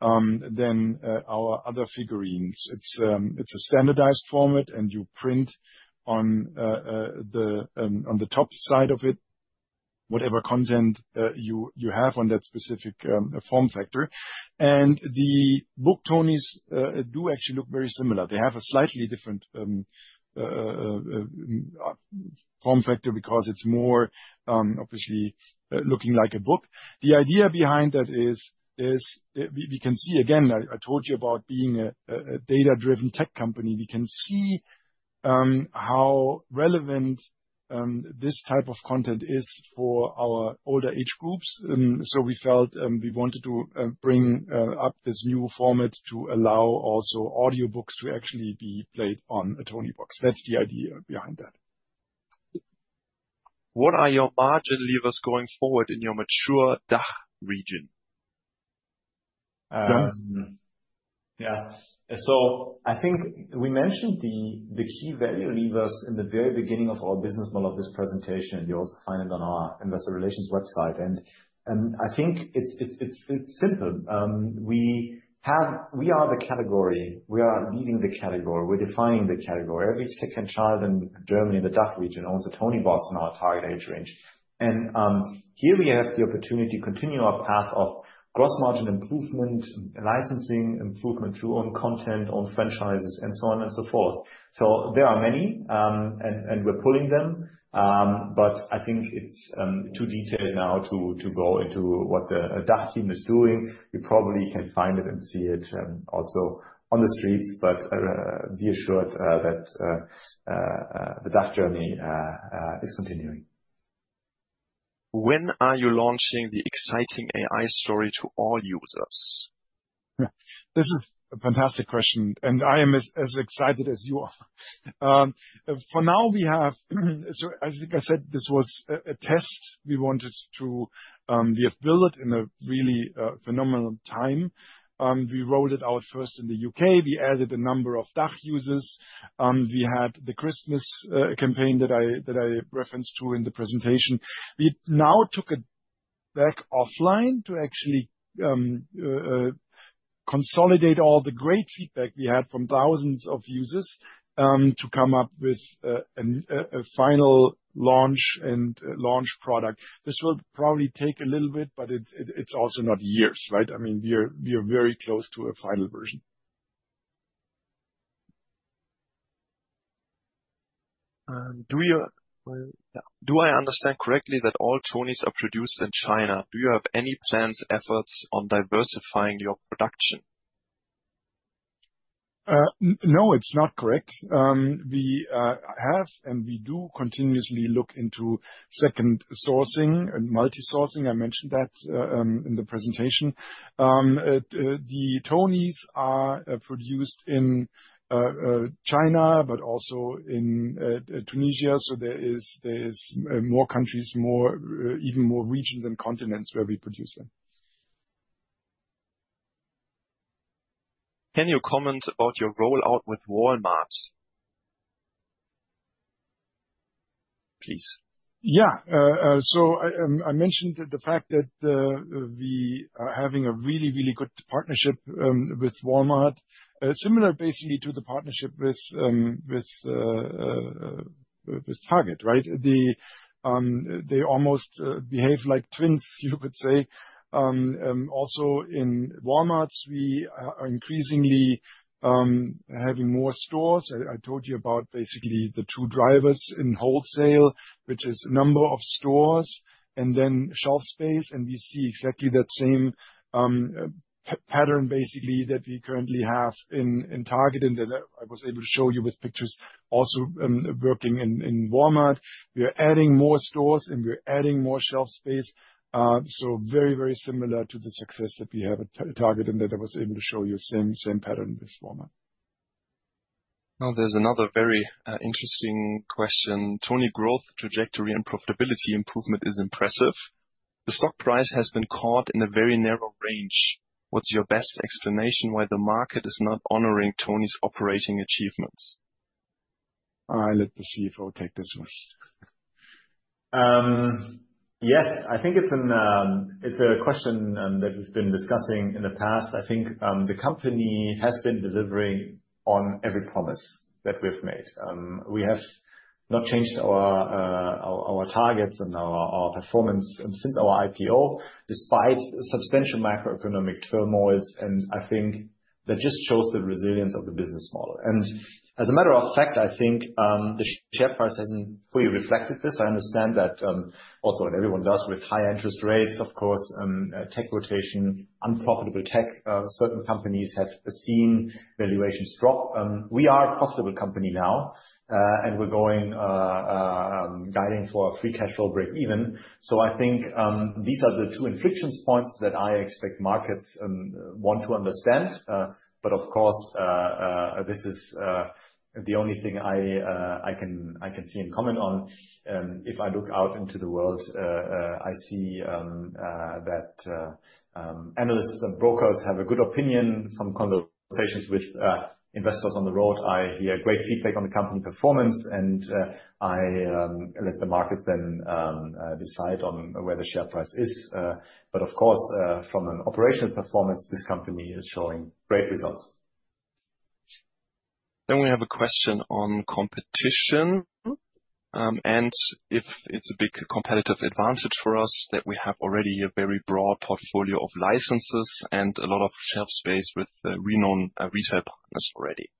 than our other figurines. It's a standardized format, and you print on the top side of it, whatever content you have on that specific form factor. The Book Tonies do actually look very similar. They have a slightly different form factor because it's more obviously looking like a book. The idea behind that is we can see again. I told you about being a data-driven tech company. We can see how relevant this type of content is for our older age groups. We felt we wanted to bring up this new format to allow also audiobooks to actually be played on a Toniebox. That's the idea behind that. What are your margin levers going forward in your mature DACH region? Yeah. So I think we mentioned the key value levers in the very beginning of our business model of this presentation. You'll also find it on our investor relations website, and I think it's simple. We have—we are the category. We are leading the category. We're defining the category. Every second child in Germany, in the DACH region, owns a Toniebox in our target age range. And here we have the opportunity to continue our path of gross margin improvement, licensing improvement through own content, own franchises, and so on and so forth. So there are many, and we're pulling them, but I think it's too detailed now to go into what the DACH team is doing. You probably can find it and see it, also on the streets, but be assured that the DACH journey is continuing. When are you launching the exciting AI story to all users? Yeah, this is a fantastic question, and I am as excited as you are. For now, we have, so as I think I said, this was a test. We wanted to, we have built it in a really phenomenal time. We rolled it out first in the U.K. We added a number of DACH users. We had the Christmas campaign that I referenced to in the presentation. We now took it back offline to actually consolidate all the great feedback we had from thousands of users to come up with a final launch and launch product. This will probably take a little bit, but it it's also not years, right? I mean, we are very close to a final version. Do I understand correctly that all Tonies are produced in China? Do you have any plans, efforts on diversifying your production? No, it's not correct. We have, and we do continuously look into second sourcing and multi-sourcing. I mentioned that in the presentation. The Tonies are produced in China, but also in Tunisia, so there is more countries, even more regions and continents where we produce them. Can you comment about your rollout with Walmart, please? Yeah. So I mentioned that the fact that we are having a really, really good partnership with Walmart, similar basically to the partnership with Target, right? They almost behave like twins, you could say. Also, in Walmart's, we are increasingly having more stores. I told you about basically the two drivers in wholesale, which is number of stores, and then shelf space, and we see exactly that same pattern, basically, that we currently have in Target, and that I was able to show you with pictures also working in Walmart. We are adding more stores, and we're adding more shelf space. So very, very similar to the success that we have at Target, and that I was able to show you, same, same pattern with Walmart. Now, there's another very, interesting question. Tonies growth, trajectory, and profitability improvement is impressive. The stock price has been caught in a very narrow range. What's your best explanation why the market is not honoring Tonies' operating achievements? I'll let the CFO take this one. Yes, I think it's a question that we've been discussing in the past. I think the company has been delivering on every promise that we've made. We have not changed our targets and our performance. Since our IPO, despite substantial macroeconomic turmoils, I think that just shows the resilience of the business model. And as a matter of fact, I think the share price hasn't fully reflected this. I understand that also, and everyone does with high interest rates, of course, tech rotation, unprofitable tech, certain companies have seen valuations drop. We are a profitable company now, and we're guiding for a free cash flow break-even. So I think these are the two inflection points that I expect markets want to understand. But of course, this is the only thing I can see and comment on. If I look out into the world, I see that analysts and brokers have a good opinion. Some conversations with investors on the road, I hear great feedback on the company performance, and I let the markets then decide on where the share price is. But of course, from an operational performance, this company is showing great results. We have a question on competition, and if it's a big competitive advantage for us that we have already a very broad portfolio of licenses and a lot of shelf space with renowned retail partners already.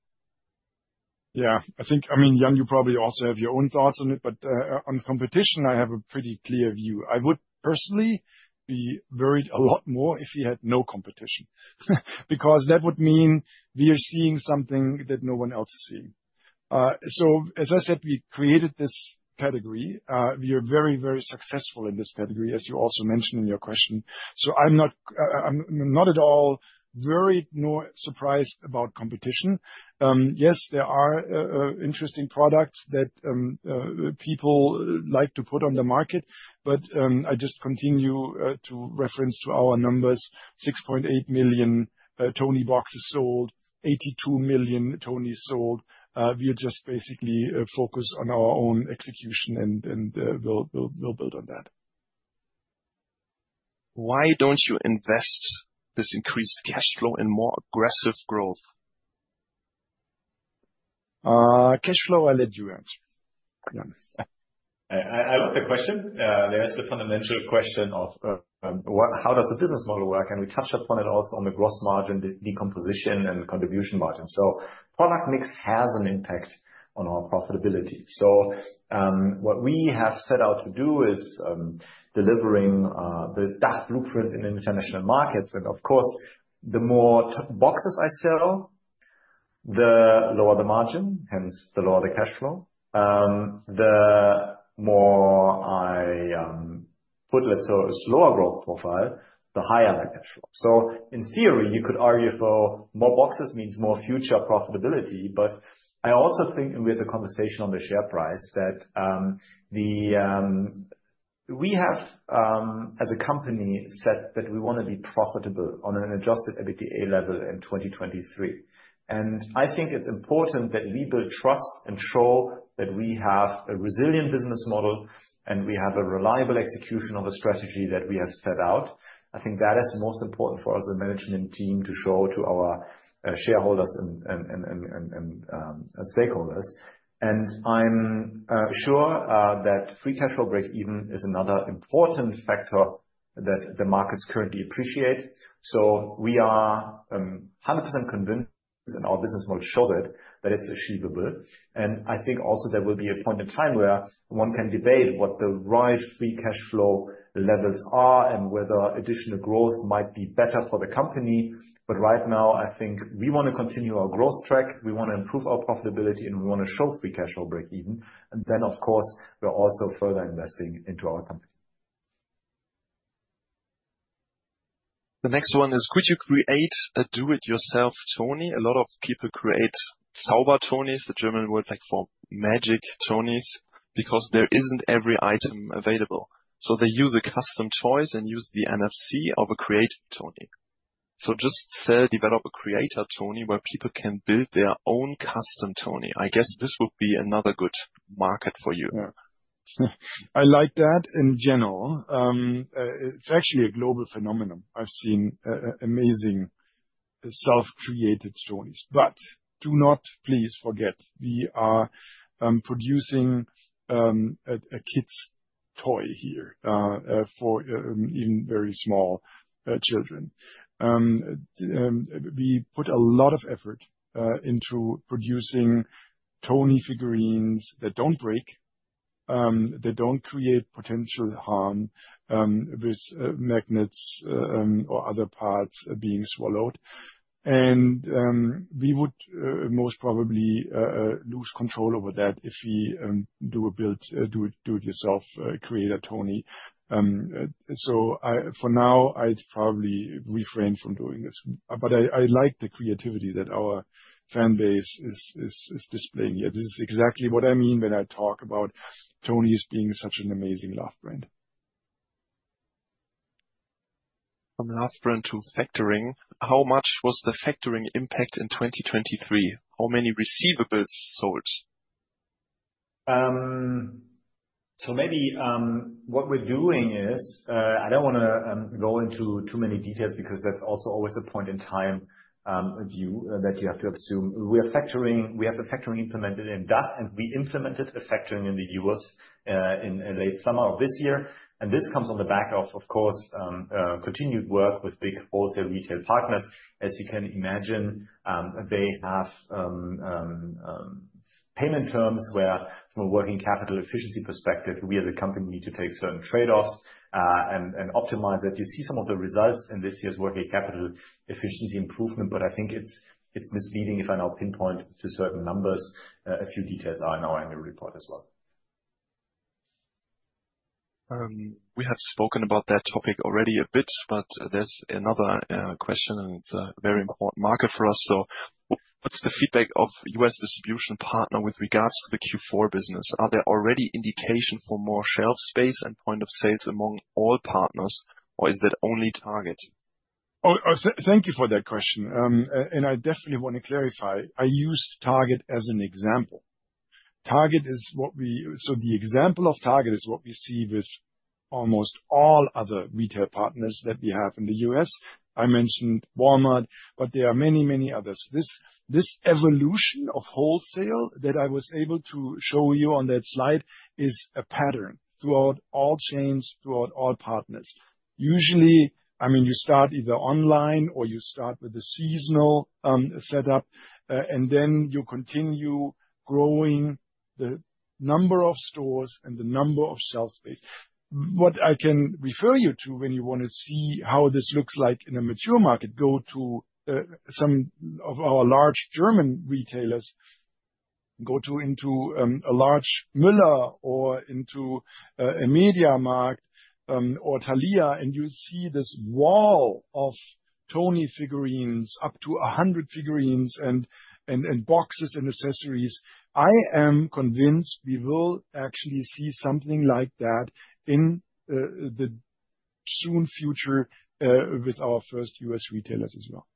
Yeah, I think, I mean, Jan, you probably also have your own thoughts on it, but, on competition, I have a pretty clear view. I would personally be worried a lot more if we had no competition. Because that would mean we are seeing something that no one else is seeing. So as I said, we created this category. We are very, very successful in this category, as you also mentioned in your question, so I'm not, I'm not at all worried nor surprised about competition. Yes, there are, interesting products that, people like to put on the market, but, I just continue, to reference to our numbers, 6.8 million Tonieboxes sold, 82 million Tonies sold. We are just basically focused on our own execution, and we'll build on that. Why don't you invest this increased cash flow in more aggressive growth? Cash flow, I'll let you answer. Yes. I like the question. There is the fundamental question of what- how does the business model work? We touched upon it also on the gross margin, the decomposition and contribution margin. Product mix has an impact on our profitability. What we have set out to do is delivering the DACH blueprint in international markets, and of course, the more Tonieboxes I sell, the lower the margin, hence the lower the cash flow. The more I put, let's say, a slower growth profile, the higher the cash flow. So in theory, you could argue for more boxes means more future profitability, but I also think, and we had the conversation on the share price, that we have, as a company, said that we want to be profitable on an Adjusted EBITDA level in 2023. And I think it's important that we build trust and show that we have a resilient business model, and we have a reliable execution of the strategy that we have set out. I think that is most important for us, the management team, to show to our shareholders and stakeholders. And I'm sure that free cash flow break-even is another important factor that the markets currently appreciate. So we are 100% convinced, and our business model shows it, that it's achievable. I think also there will be a point in time where one can debate what the right free cash flow levels are and whether additional growth might be better for the company. But right now, I think we want to continue our growth track, we want to improve our profitability, and we want to show free cash flow break-even. Then, of course, we're also further investing into our company. The next one is: Could you create a do-it-yourself Tonie? A lot of people create Zauber-Tonies, the German word like for magic Tonies, because there isn't every item available. So they use a custom Tonie and use the NFC of a Creative-Tonie. So just say, develop a Creative-Tonie, where people can build their own custom Tonie. I guess this would be another good market for you. Yeah. I like that in general. It's actually a global phenomenon. I've seen amazing self-created Tonies. But do not please forget, we are producing a kids' toy here for even very small children. We put a lot of effort into producing Tonie figurines that don't break, they don't create potential harm with magnets or other parts being swallowed. And we would most probably lose control over that if we do a do-it-yourself create a Tonie. So for now, I'd probably refrain from doing this. But I like the creativity that our fan base is displaying here. This is exactly what I mean when I talk about Tonies being such an amazing love brand. From love brand to factoring. How much was the factoring impact in 2023? How many receivables sold? So maybe what we're doing is, I don't wanna go into too many details, because that's also always a point in time view that you have to assume. We are factoring, we have the factoring implemented in DACH, and we implemented a factoring in the U.S. in late summer of this year. And this comes on the back of, of course, continued work with big wholesale retail partners. As you can imagine, they have payment terms where from a working capital efficiency perspective, we as a company need to take certain trade-offs and optimize that. You see some of the results in this year's working capital efficiency improvement, but I think it's misleading if I now pinpoint to certain numbers. A few details are in our annual report as well. We have spoken about that topic already a bit, but there's another question, and it's a very important market for us. So what's the feedback of U.S. distribution partner with regards to the Q4 business? Are there already indication for more shelf space and point of sales among all partners, or is that only Target? Oh, thank you for that question. And I definitely want to clarify, I used Target as an example. Target is what we—so the example of Target is what we see with almost all other retail partners that we have in the U.S. I mentioned Walmart, but there are many, many others. This evolution of wholesale that I was able to show you on that slide is a pattern throughout all chains, throughout all partners. Usually, I mean, you start either online or you start with a seasonal setup, and then you continue growing the number of stores and the number of shelf space. What I can refer you to when you wanna see how this looks like in a mature market, go to some of our large German retailers. Go into a large Müller or into a MediaMarkt or Thalia, and you'll see this wall of Tonies figurines, up to 100 figurines and boxes and accessories. I am convinced we will actually see something like that in the near future with our first U.S. retailers as well.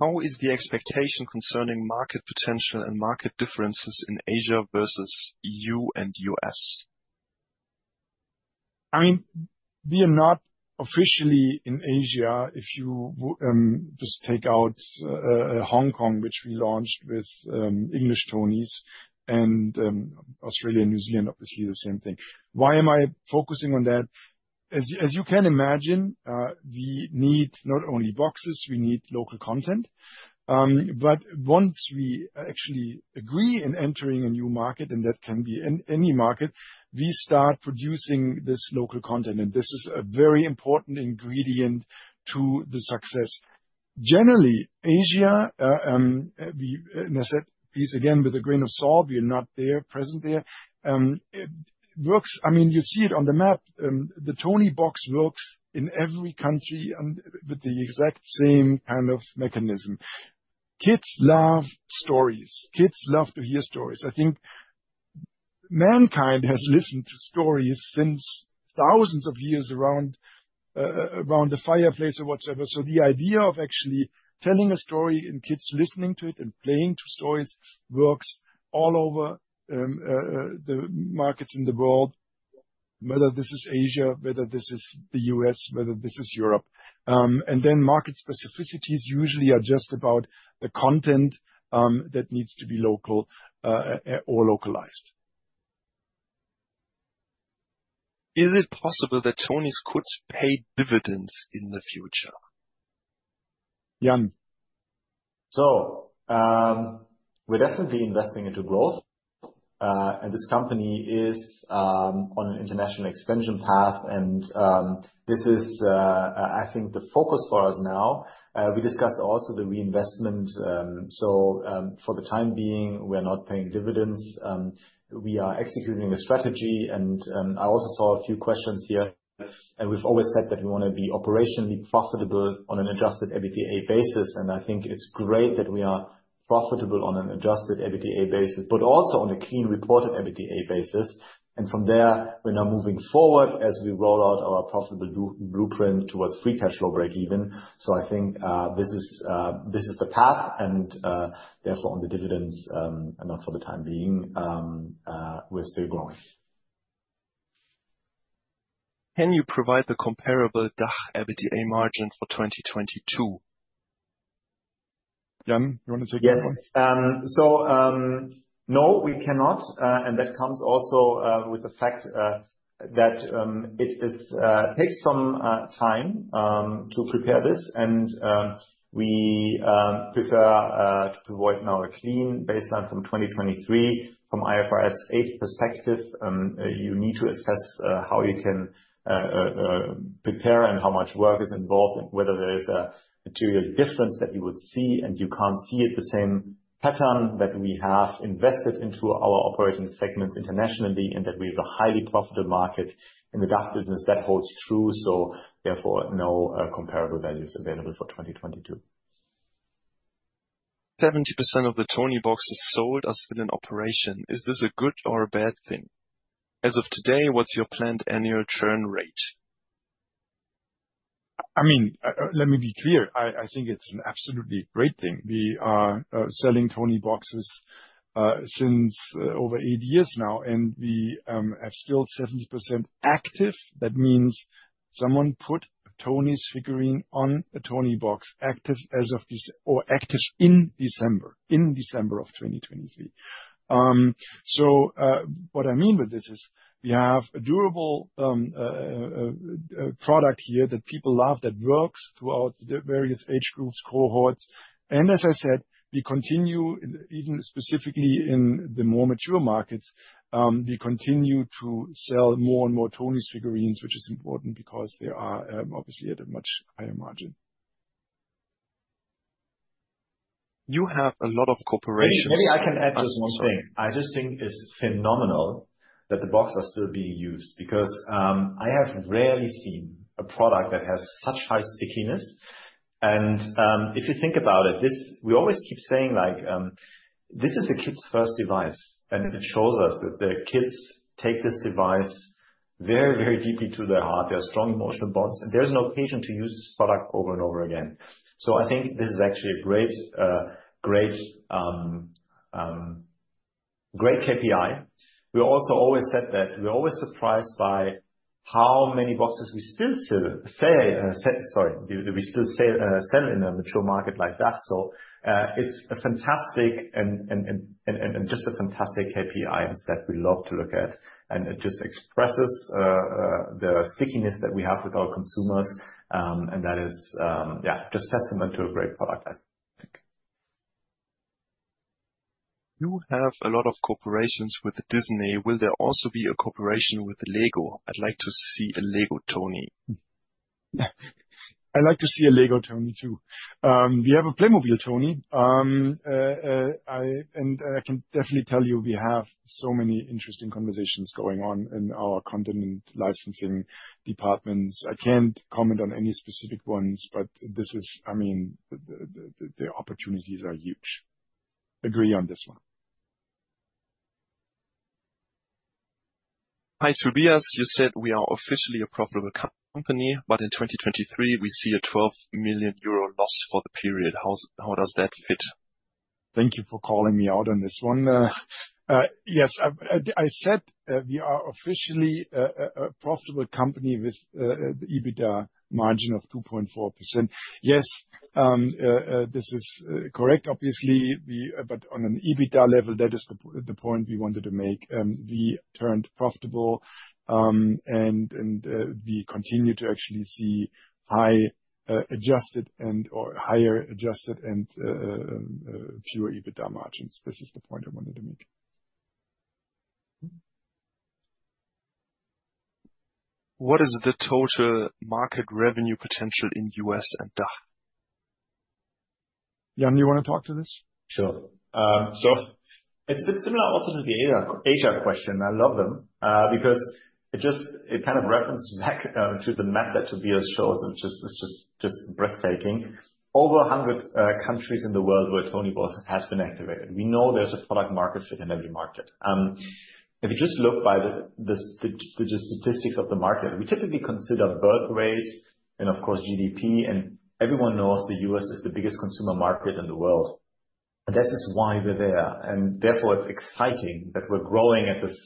How is the expectation concerning market potential and market differences in Asia versus E.U. and U.S.? I mean, we are not officially in Asia. If you just take out Hong Kong, which we launched with English Tonies and Australia and New Zealand, obviously the same thing. Why am I focusing on that? As you can imagine, we need not only boxes, we need local content. But once we actually agree in entering a new market, and that can be any market, we start producing this local content, and this is a very important ingredient to the success. Generally, Asia, we, and I said this again, with a grain of salt, we are not there, present there. It works—I mean, you see it on the map, the Toniebox works in every country and with the exact same kind of mechanism. Kids love stories. Kids love to hear stories. I think mankind has listened to stories since thousands of years around the fireplace or whatever. So the idea of actually telling a story and kids listening to it and playing to stories works all over the markets in the world, whether this is Asia, whether this is the U.S., whether this is Europe. And then market specificities usually are just about the content that needs to be local or localized. Is it possible that Tonies could pay dividends in the future? Jan? So, we're definitely investing into growth, and this company is on an international expansion path, and this is, I think the focus for us now. We discussed also the reinvestment, so, for the time being, we're not paying dividends. We are executing the strategy, and I also saw a few questions here, and we've always said that we want to be operationally profitable on an adjusted EBITDA basis, and I think it's great that we are profitable on an adjusted EBITDA basis, but also on a clean reported EBITDA basis. And from there, we're now moving forward as we roll out our profitable blueprint towards free cash flow break-even. So I think, this is the path, and therefore, on the dividends, and not for the time being, we're still growing. Can you provide the comparable DACH EBITDA margins for 2022? Jan, you want to take that one? Yes. So, no, we cannot. That comes also with the fact that it takes some time to prepare this. We prefer to work now a clean baseline from 2023. From IFRS 8 perspective, you need to assess how you can prepare and how much work is involved and whether there is a material difference that you would see, and you can't see it the same pattern that we have invested into our operating segments internationally, and that we have a highly profitable market in the DACH business. That holds true, so therefore, no, comparable values available for 2022. 70% of the Tonieboxes sold are still in operation. Is this a good or a bad thing? As of today, what's your planned annual churn rate? I mean, let me be clear. I think it's an absolutely great thing. We are selling Toniebox since over eight years now, and we have still 70% active. That means someone put a Tonies figurine on a Toniebox, active in December 2023. So, what I mean with this is we have a durable product here that people love, that works throughout the various age groups, cohorts. And as I said, we continue, even specifically in the more mature markets, we continue to sell more and more Tonies figurines, which is important because they are obviously at a much higher margin. You have a lot of corporations. Maybe, maybe I can add just one thing. I just think it's phenomenal that the boxes are still being used, because I have rarely seen a product that has such high stickiness. And if you think about it, this. We always keep saying, like, this is a kid's first device, and it shows us that the kids take this device very, very deeply to their heart. There are strong emotional bonds, and there's an occasion to use this product over and over again. So I think this is actually a great KPI. We also always said that we're always surprised by how many boxes we still sell in a mature market like that. So, it's a fantastic and just a fantastic KPI that we love to look at, and it just expresses the stickiness that we have with our consumers. And that is, yeah, just testament to a great product, I think. You have a lot of collaborations with Disney. Will there also be a cooperation with LEGO? I'd like to see a LEGO Tonie. I'd like to see a LEGO Tonie, too. We have a Playmobil Tonie. And I can definitely tell you, we have so many interesting conversations going on in our content licensing departments. I can't comment on any specific ones, but this is, I mean, the opportunities are huge. Agree on this one. Hi, Tobias. You said we are officially a profitable company, but in 2023, we see a 12 million euro loss for the period. How does that fit? Thank you for calling me out on this one. Yes, I said we are officially a profitable company with the EBITDA margin of 2.4%. Yes, this is correct. Obviously, we-- but on an EBITDA level, that is the point we wanted to make. We turned profitable, and we continue to actually see high adjusted and, or higher adjusted and fewer EBITDA margins. This is the point I wanted to make. What is the total market revenue potential in U.S. and DACH? Jan, you wanna talk to this? Sure. So it's similar also to the Asia question. I love them because it just kind of references back to the map that Tobias shows, which is just breathtaking. Over 100 countries in the world where Toniebox has been activated. We know there's a product market fit in every market. If you just look by the statistics of the market, we typically consider birth rate and of course, GDP. And everyone knows the U.S. is the biggest consumer market in the world, and this is why we're there. And therefore, it's exciting that we're growing at this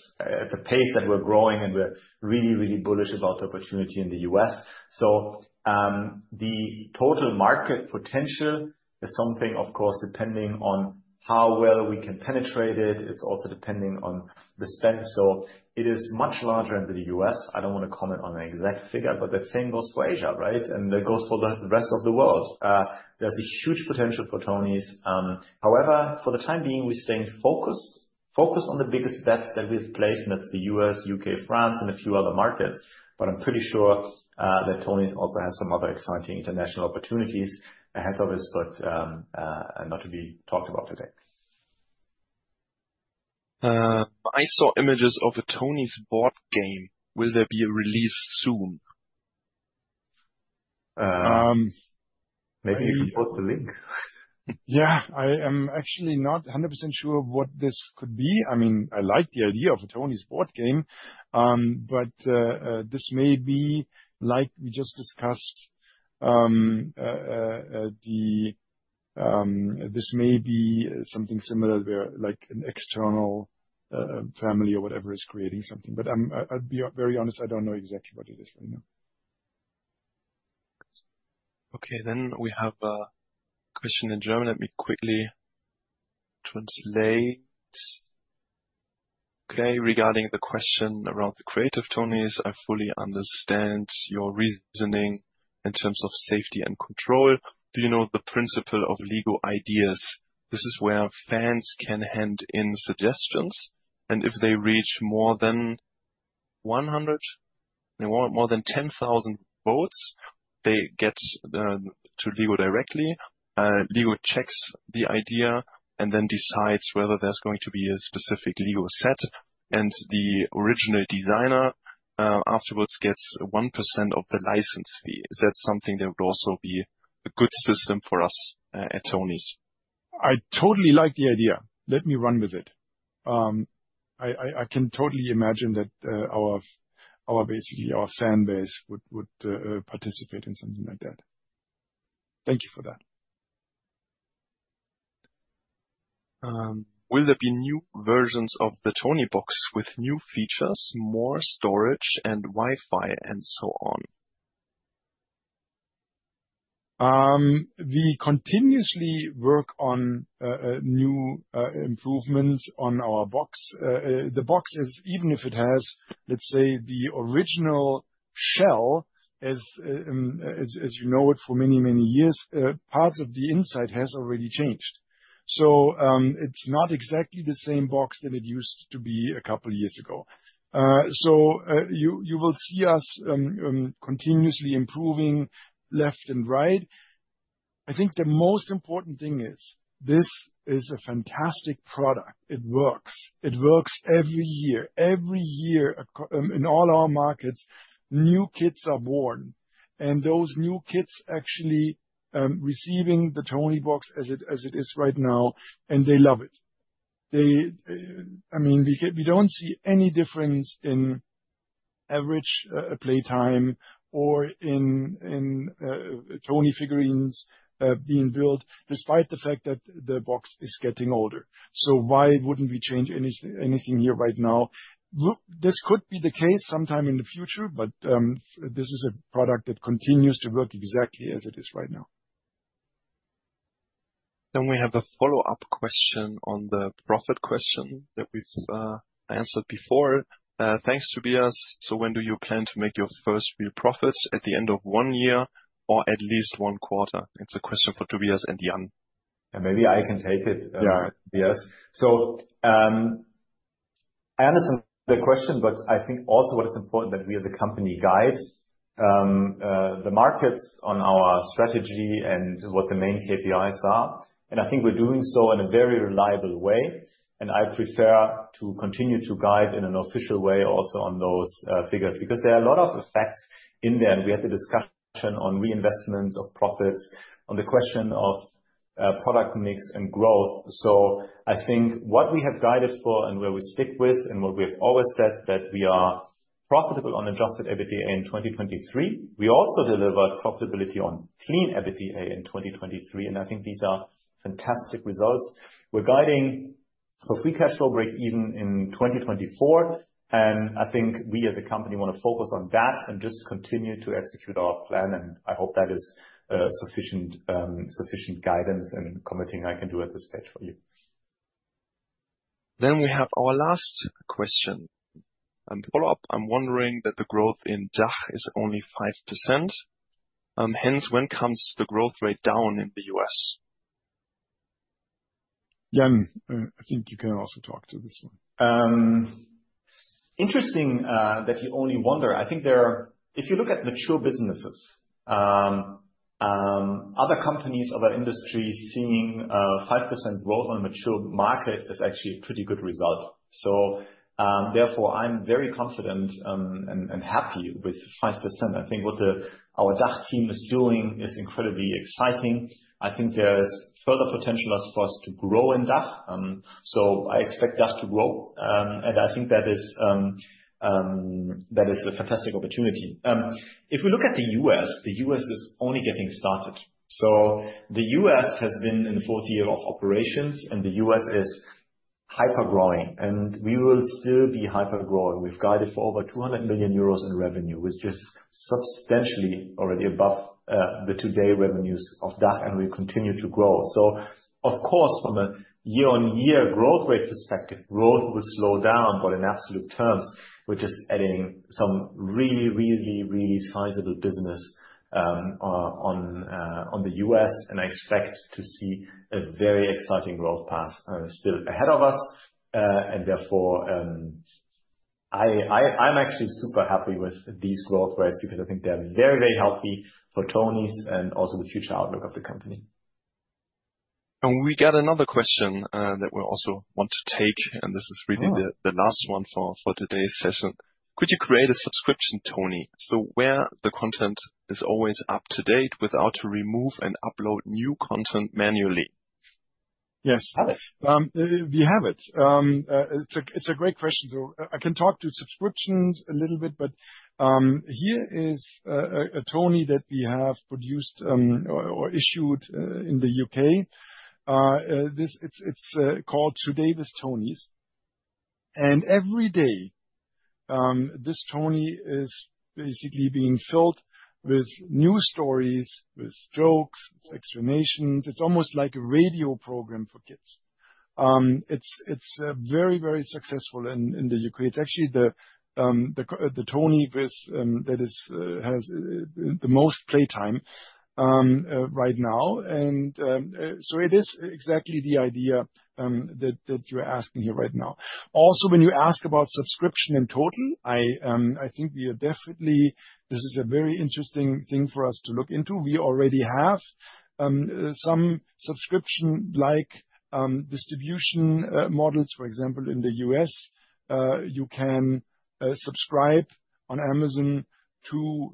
pace that we're growing, and we're really, really bullish about the opportunity in the U.S. So, the total market potential is something, of course, depending on how well we can penetrate it. It's also depending on the spend. So it is much larger than the U.S. I don't wanna comment on the exact figure, but the same goes for Asia, right? And that goes for the rest of the world. There's a huge potential for Tonies. However, for the time being, we're staying focused. Focused on the biggest bets that we've placed, and that's the U.S., U.K., France, and a few other markets. But I'm pretty sure that Tonies also has some other exciting international opportunities ahead of us, but not to be talked about today. I saw images of a Tonies board game. Will there be a release soon? Maybe you can post the link. Yeah, I am actually not 100% sure what this could be. I mean, I like the idea of a Tonies board game, but this may be like we just discussed. This may be something similar where like an external family or whatever is creating something. But I'd be very honest, I don't know exactly what it is right now. Okay, then we have a question in German. Let me quickly translate. Okay, regarding the question around the Creative-Tonies, I fully understand your reasoning in terms of safety and control. Do you know the principle of LEGO Ideas? This is where fans can hand in suggestions, and if they reach more than 100, more than 10,000 votes, they get to LEGO directly. LEGO checks the idea and then decides whether there's going to be a specific LEGO set, and the original designer afterwards gets 1% of the license fee. Is that something that would also be a good system for us at Tonies? I totally like the idea. Let me run with it. I can totally imagine that our basically our fan base would participate in something like that. Thank you for that. Will there be new versions of the Toniebox with new features, more storage and Wi-Fi and so on? We continuously work on new improvements on our box. The box is, even if it has, let's say, the original shell, as you know it, for many, many years, parts of the inside has already changed. So, it's not exactly the same box that it used to be a couple years ago. So, you will see us continuously improving left and right. I think the most important thing is, this is a fantastic product. It works. It works every year. Every year, in all our markets, new kids are born, and those new kids actually receiving the Toniebox as it is right now, and they love it. They, I mean, we don't see any difference in average playtime or in Tonies figurines being built, despite the fact that the box is getting older. So why wouldn't we change anything here right now? Look, this could be the case sometime in the future, but this is a product that continues to work exactly as it is right now. Then we have a follow-up question on the profit question that we've answered before. Thanks, Tobias. So when do you plan to make your first real profit? At the end of one year or at least one quarter? It's a question for Tobias and Jan. Maybe I can take it. Yeah. Tobias. So, I understand the question, but I think also what is important that we as a company guide the markets on our strategy and what the main KPIs are, and I think we're doing so in a very reliable way. And I prefer to continue to guide in an official way also on those figures, because there are a lot of facts in there, and we had a discussion on reinvestments of profits, on the question of product mix and growth. So I think what we have guided for and where we stick with and what we have always said, that we are profitable on Adjusted EBITDA in 2023. We also delivered profitability on clean EBITDA in 2023, and I think these are fantastic results. We're guiding for free cash flow break-even in 2024, and I think we as a company want to focus on that and just continue to execute our plan, and I hope that is sufficient, sufficient guidance and commenting I can do at this stage for you. Then we have our last question and follow-up. I'm wondering that the growth in DACH is only 5%, hence, when comes the growth rate down in the U.S.? Jan, I think you can also talk to this one. Interesting, that you only wonder. I think. If you look at mature businesses, other companies of our industry seeing, 5% growth on a mature market is actually a pretty good result. So, therefore, I'm very confident, and happy with 5%. I think what our DACH team is doing is incredibly exciting. I think there's further potential for us to grow in DACH. So I expect DACH to grow, and I think that is, that is a fantastic opportunity. If we look at the U.S., the U.S. is only getting started. So the U.S. has been in the fourth year of operations, and the U.S. is hyper-growing, and we will still be hyper-growing. We've guided for over 200 million euros in revenue, which is substantially already above the today revenues of DACH, and we continue to grow. So of course, from a year-on-year growth rate perspective, growth will slow down, but in absolute terms, we're just adding some really, really, really sizable business on the U.S., and I expect to see a very exciting growth path still ahead of us. And therefore, I'm actually super happy with these growth rates, because I think they're very, very healthy for Tonies and also the future outlook of the company. We got another question that we also want to take, and this is really the last one for today's session. Could you create a subscription Tonie so where the content is always up to date without to remove and upload new content manually? Yes. Got it. We have it. It's a great question, so I can talk to subscriptions a little bit, but here is a Tonie that we have produced or issued in the U.K. This is called Today with Tonies. And every day, this Tonie is basically being filled with new stories, with jokes, explanations. It's almost like a radio program for kids. It's very, very successful in the U.K. It's actually the Tonie that has the most playtime right now. And so it is exactly the idea that you're asking here right now. Also, when you ask about subscription in total, I think we are definitely—this is a very interesting thing for us to look into. We already have some subscription-like distribution models. For example, in the U.S., you can subscribe on Amazon to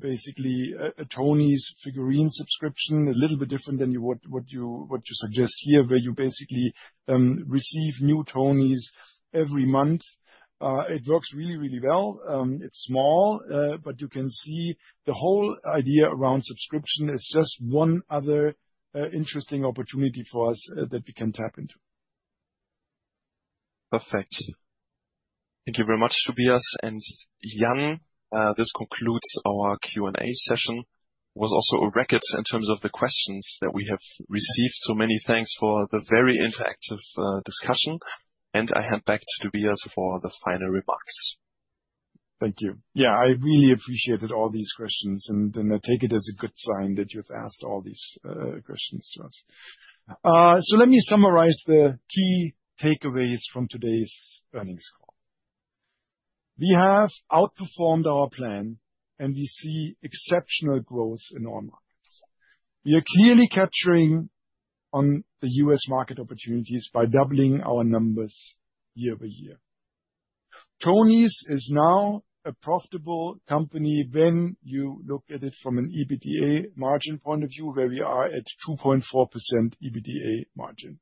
basically a Tonies figurine subscription. A little bit different than what you suggest here, where you basically receive new Tonies every month. It works really, really well. It's small, but you can see the whole idea around subscription is just one other interesting opportunity for us that we can tap into. Perfect. Thank you very much, Tobias and Jan. This concludes our Q&A session. Was also a record in terms of the questions that we have received, so many thanks for the very interactive discussion, and I hand back to Tobias for the final remarks. Thank you. Yeah, I really appreciated all these questions, and then I take it as a good sign that you've asked all these questions to us. So let me summarize the key takeaways from today's earnings call. We have outperformed our plan, and we see exceptional growth in all markets. We are clearly capturing on the U.S. market opportunities by doubling our numbers year-over-year. Tonies is now a profitable company when you look at it from an EBITDA margin point of view, where we are at 2.4% EBITDA margin.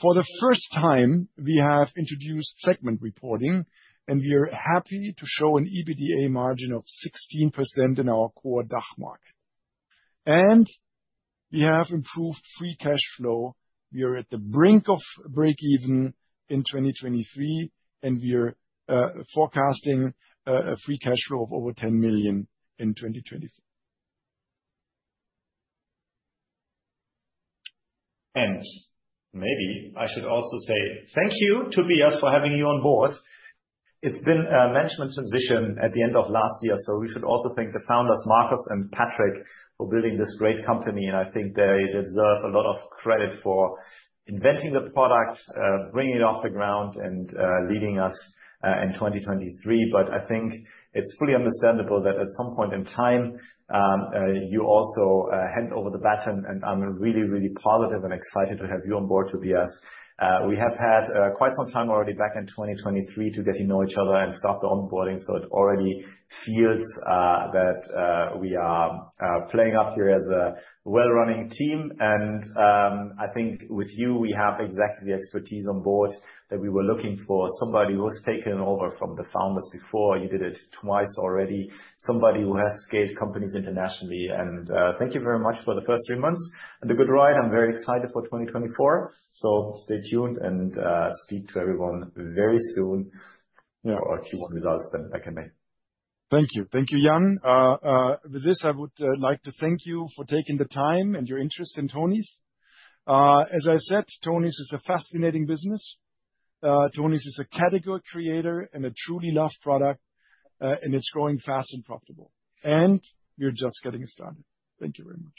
For the first time, we have introduced segment reporting, and we are happy to show an EBITDA margin of 16% in our core DACH market. We have improved free cash flow. We are at the brink of break-even in 2023, and we are forecasting a free cash flow of over 10 million in 2023. And maybe I should also say thank you, Tobias, for having you on board. It's been a management transition at the end of last year, so we should also thank the founders, Marcus and Patric, for building this great company, and I think they deserve a lot of credit for inventing the product, bringing it off the ground, and leading us in 2023. But I think it's fully understandable that at some point in time, you also hand over the baton, and I'm really, really positive and excited to have you on board, Tobias. We have had quite some time already back in 2023 to get to know each other and start the onboarding, so it already feels that we are playing out here as a well-running team. I think with you, we have exactly the expertise on board that we were looking for. Somebody who's taken over from the founders before, you did it twice already. Somebody who has scaled companies internationally, and thank you very much for the first three months and the good ride. I'm very excited for 2024, so stay tuned and speak to everyone very soon about our future results that I can make. Thank you. Thank you, Jan. With this, I would like to thank you for taking the time and your interest in Tonies. As I said, Tonies is a fascinating business. Tonies is a category creator and a truly loved product, and it's growing fast and profitable, and we're just getting started. Thank you very much.